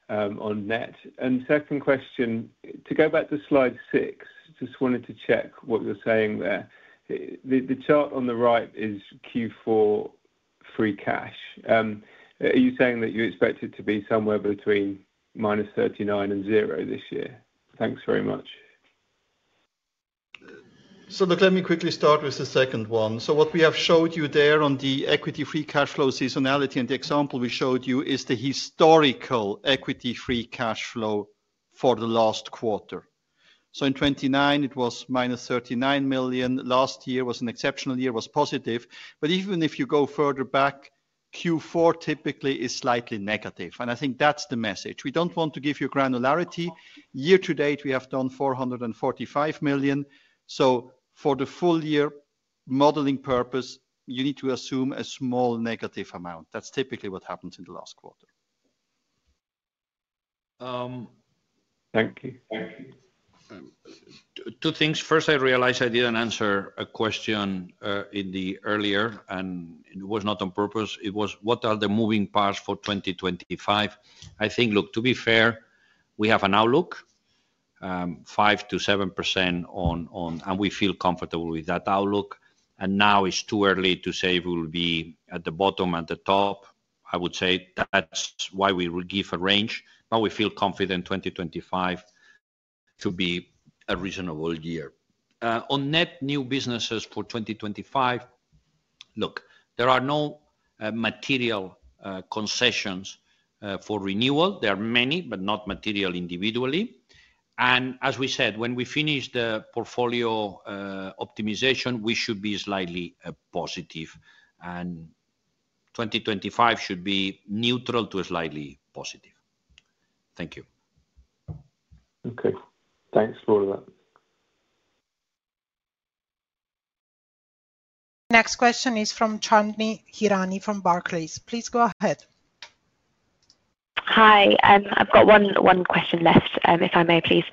on net? And second question, to go back to slide six, just wanted to check what you're saying there. The chart on the right is Q4 free cash. Are you saying that you expect it to be somewhere between minus 39 and zero this year? Thanks very much. So look, let me quickly start with the second one. So what we have showed you there on the equity-free cash flow seasonality and the example we showed you is the historical equity-free cash flow for the last quarter. So in 2019, it was -39 million. Last year was an exceptional year, was positive. But even if you go further back, Q4 typically is slightly negative. And I think that's the message. We don't want to give you granularity. Year to date, we have done 445 million. So for the full year modeling purpose, you need to assume a small negative amount. That's typically what happens in the last quarter. Thank you. Two things. First, I realized I didn't answer a question in the earlier, and it was not on purpose. It was, what are the moving parts for 2025? I think, look, to be fair, we have an outlook, 5%-7%, and we feel comfortable with that outlook. And now it's too early to say we'll be at the bottom and the top. I would say that's why we give a range, but we feel confident 2025 to be a reasonable year. On net new businesses for 2025, look, there are no material concessions for renewal. There are many, but not material individually. And as we said, when we finish the portfolio optimization, we should be slightly positive. And 2025 should be neutral to slightly positive. Thank you. Okay. Thanks for that. The next question is from Chandni Hirani from Barclays. Please go ahead. Hi. I've got one question left, if I may, please.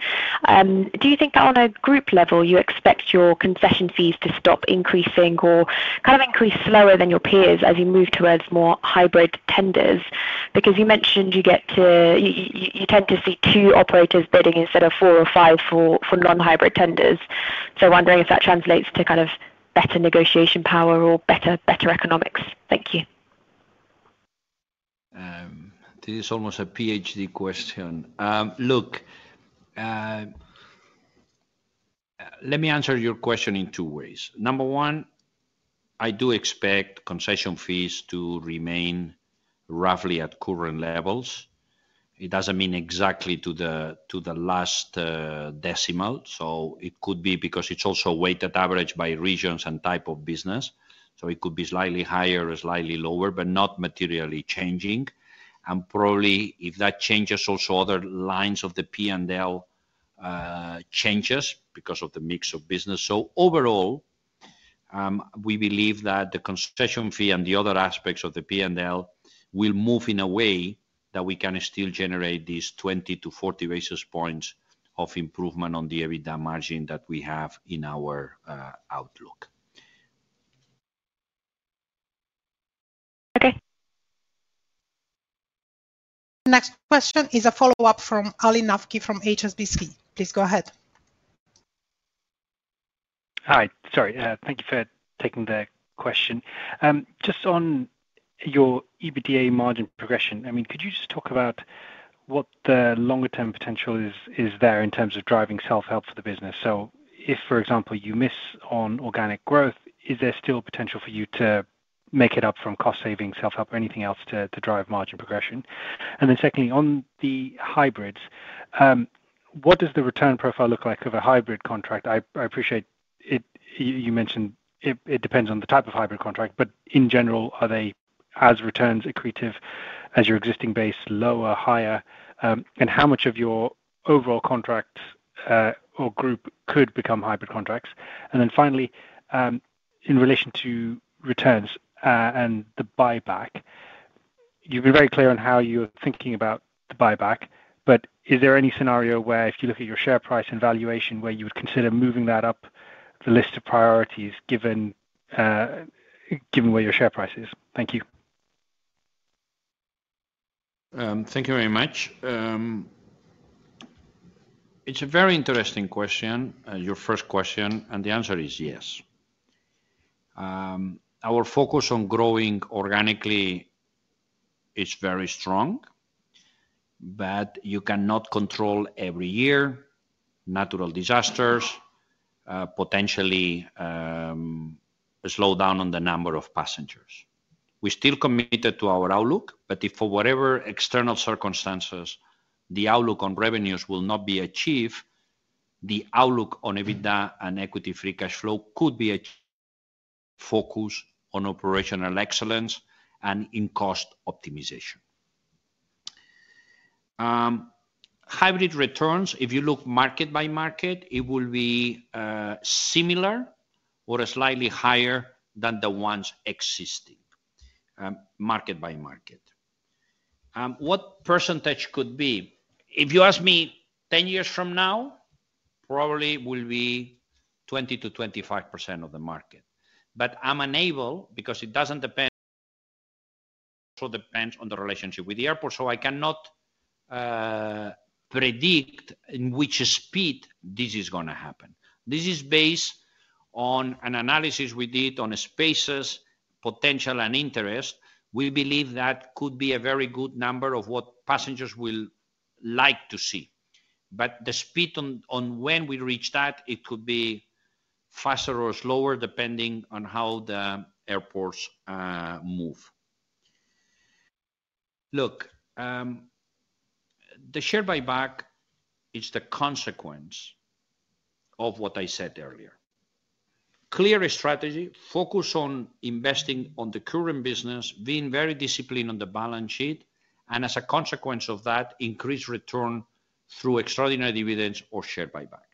Do you think that on a group level, you expect your concession fees to stop increasing or kind of increase slower than your peers as you move towards more hybrid tenders? Because you mentioned you tend to see two operators bidding instead of four or five for non-hybrid tenders. So wondering if that translates to kind of better negotiation power or better economics. Thank you. This is almost a PhD question. Look, let me answer your question in two ways. Number one, I do expect concession fees to remain roughly at current levels. It doesn't mean exactly to the last decimal. So it could be because it's also weighted average by regions and type of business. So it could be slightly higher or slightly lower, but not materially changing. And probably if that changes, also other lines of the P&L changes because of the mix of business. So overall, we believe that the concession fee and the other aspects of the P&L will move in a way that we can still generate these 20-40 basis points of improvement on the EBITDA margin that we have in our outlook. Okay. The next question is a follow-up from Ali Naqvi from HSBC. Please go ahead. Hi. Sorry. Thank you for taking the question. Just on your EBITDA margin progression, I mean, could you just talk about what the longer-term potential is there in terms of driving self-help for the business? So if, for example, you miss on organic growth, is there still potential for you to make it up from cost-saving, self-help, or anything else to drive margin progression? And then secondly, on the hybrids, what does the return profile look like of a hybrid contract? I appreciate you mentioned it depends on the type of hybrid contract, but in general, are they as returns accretive as your existing base, lower, higher? And how much of your overall contracts or group could become hybrid contracts? And then finally, in relation to returns and the buyback, you've been very clear on how you're thinking about the buyback, but is there any scenario where if you look at your share price and valuation, where you would consider moving that up the list of priorities given where your share price is? Thank you. Thank you very much. It's a very interesting question, your first question, and the answer is yes. Our focus on growing organically is very strong, but you cannot control every year natural disasters, potentially a slowdown on the number of passengers. We're still committed to our outlook, but if for whatever external circumstances the outlook on revenues will not be achieved, the outlook on EBITDA and equity free cash flow could be a focus on operational excellence and in cost optimization. Hybrid returns, if you look market by market, it will be similar or slightly higher than the ones existing market by market. What percentage could be? If you ask me 10 years from now, probably will be 20%-25% of the market. But I'm unable because it doesn't depend also depends on the relationship with the airport. I cannot predict in which speed this is going to happen. This is based on an analysis we did on spaces, potential, and interest. We believe that could be a very good number of what passengers will like to see. But the speed on when we reach that, it could be faster or slower depending on how the airports move. Look, the share buyback is the consequence of what I said earlier. Clear strategy, focus on investing on the current business, being very disciplined on the balance sheet, and as a consequence of that, increase return through extraordinary dividends or share buybacks.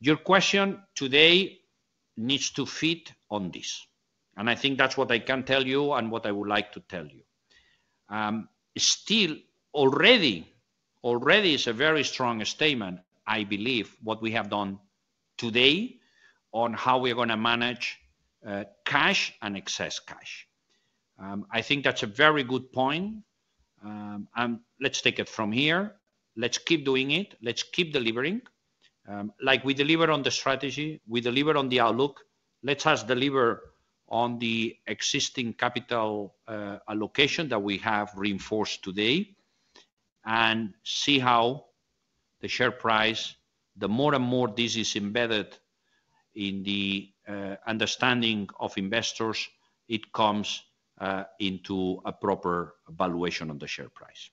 Your question today needs to fit on this. I think that's what I can tell you and what I would like to tell you. Still, already is a very strong statement, I believe, what we have done today on how we are going to manage cash and excess cash. I think that's a very good point. Let's take it from here. Let's keep doing it. Let's keep delivering. Like we deliver on the strategy, we deliver on the outlook. Let's us deliver on the existing capital allocation that we have reinforced today and see how the share price, the more and more this is embedded in the understanding of investors, it comes into a proper valuation on the share price.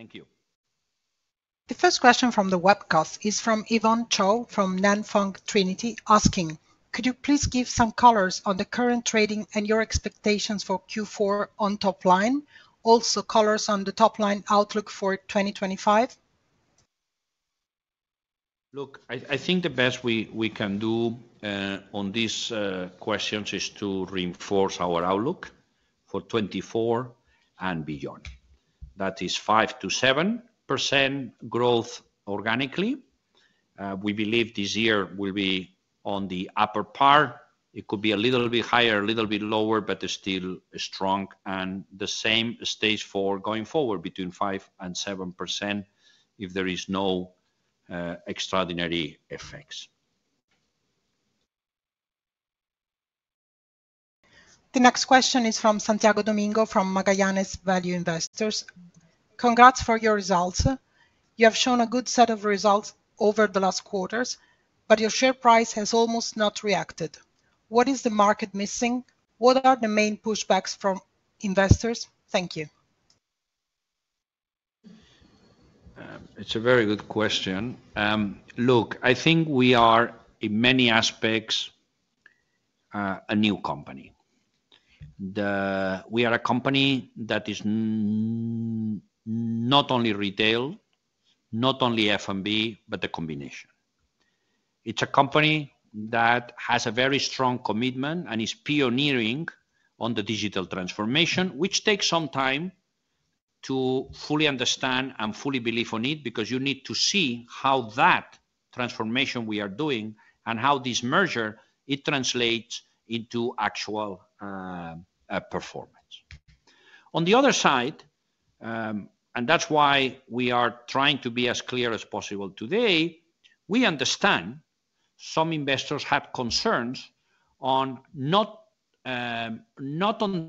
Thank you. Thank you. The first question from the webcast is from Yvonne Chow from Nan Fung Trinity asking, Could you please give some colors on the current trading and your expectations for Q4 on top line? Also colors on the top line outlook for 2025? Look, I think the best we can do on these questions is to reinforce our outlook for 2024 and beyond. That is 5%-7% growth organically. We believe this year will be on the upper part. It could be a little bit higher, a little bit lower, but still strong and the same stage for going forward between 5% and 7% if there is no extraordinary effects. The next question is from Santiago Domingo from Magallanes Value Investors. Congrats for your results. You have shown a good set of results over the last quarters, but your share price has almost not reacted. What is the market missing? What are the main pushbacks from investors? Thank you. It's a very good question. Look, I think we are in many aspects a new company. We are a company that is not only retail, not only F&B, but a combination. It's a company that has a very strong commitment and is pioneering on the digital transformation, which takes some time to fully understand and fully believe on it because you need to see how that transformation we are doing and how this merger, it translates into actual performance. On the other side, and that's why we are trying to be as clear as possible today, we understand some investors have concerns not on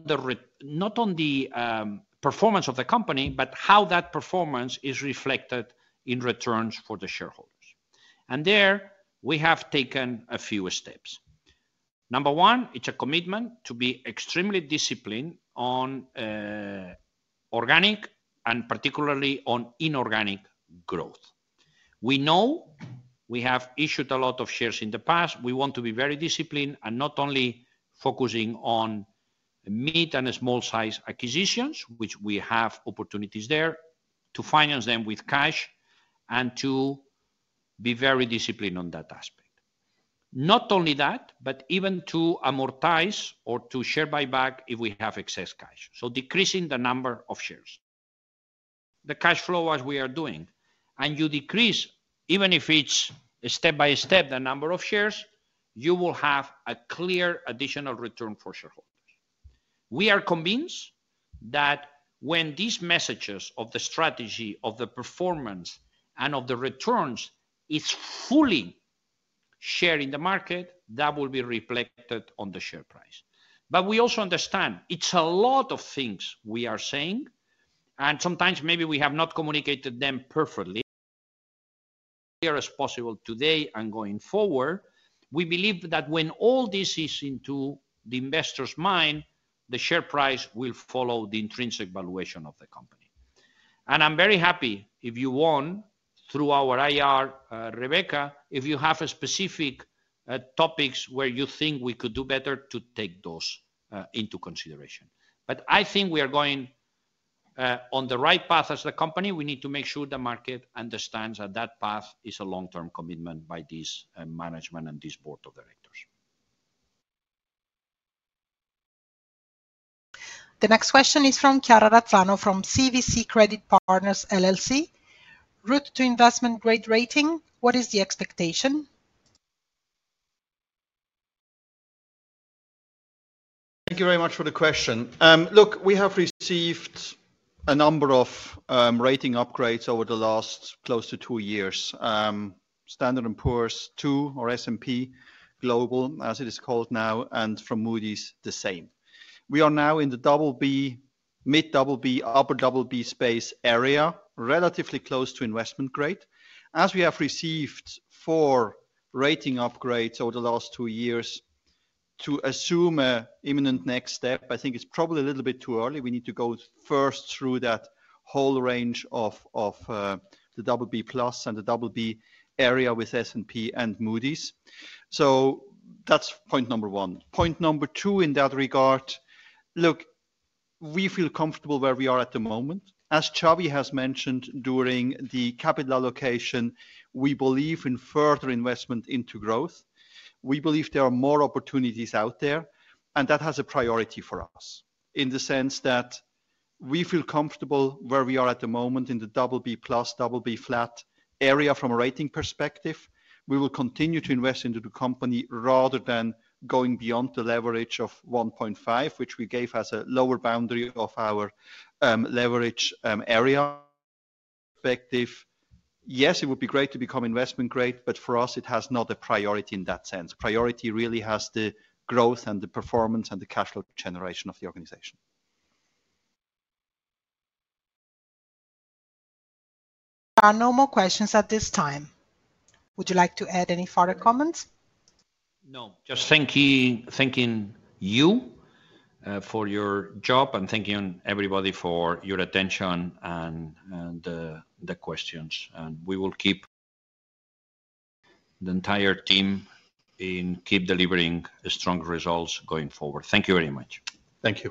the performance of the company, but how that performance is reflected in returns for the shareholders. And there we have taken a few steps. Number one, it's a commitment to be extremely disciplined on organic and particularly on inorganic growth. We know we have issued a lot of shares in the past. We want to be very disciplined and not only focusing on mid and small-sized acquisitions, which we have opportunities there to finance them with cash and to be very disciplined on that aspect. Not only that, but even to amortize or to share buyback if we have excess cash. So decreasing the number of shares. The cash flow as we are doing, and you decrease, even if it's step by step, the number of shares, you will have a clear additional return for shareholders. We are convinced that when these messages of the strategy, of the performance, and of the returns is fully shared in the market, that will be reflected on the share price. But we also understand it's a lot of things we are saying, and sometimes maybe we have not communicated them perfectly as possible today and going forward. We believe that when all this is into the investor's mind, the share price will follow the intrinsic valuation of the company. And I'm very happy if you want through our IR, Rebecca, if you have specific topics where you think we could do better to take those into consideration. But I think we are going on the right path as a company. We need to make sure the market understands that that path is a long-term commitment by this management and this board of directors. The next question is from Chiara Razano from CVC Credit Partners LLC. Route to investment grade rating, what is the expectation? Thank you very much for the question. Look, we have received a number of rating upgrades over the last close to two years. Standard and Poor's or S&P Global, as it is called now, and from Moody's, the same. We are now in the mid B, upper B space area, relatively close to investment grade. As we have received four rating upgrades over the last two years to assume an imminent next step, I think it's probably a little bit too early. We need to go first through that whole range of the B+ and the B area with S&P and Moody's. So that's point number one. Point number two in that regard, look, we feel comfortable where we are at the moment. As Yves has mentioned during the capital allocation, we believe in further investment into growth. We believe there are more opportunities out there, and that has a priority for us in the sense that we feel comfortable where we are at the moment in the B+, B flat area from a rating perspective. We will continue to invest into the company rather than going beyond the leverage of 1.5, which we gave as a lower boundary of our leverage area perspective. Yes, it would be great to become investment grade, but for us, it has not a priority in that sense. Priority really has the growth and the performance and the cash flow generation of the organization. There are no more questions at this time. Would you like to add any further comments? No, just thanking you for your job and thanking everybody for your attention and the questions. And we will keep the entire team and keep delivering strong results going forward. Thank you very much. Thank you.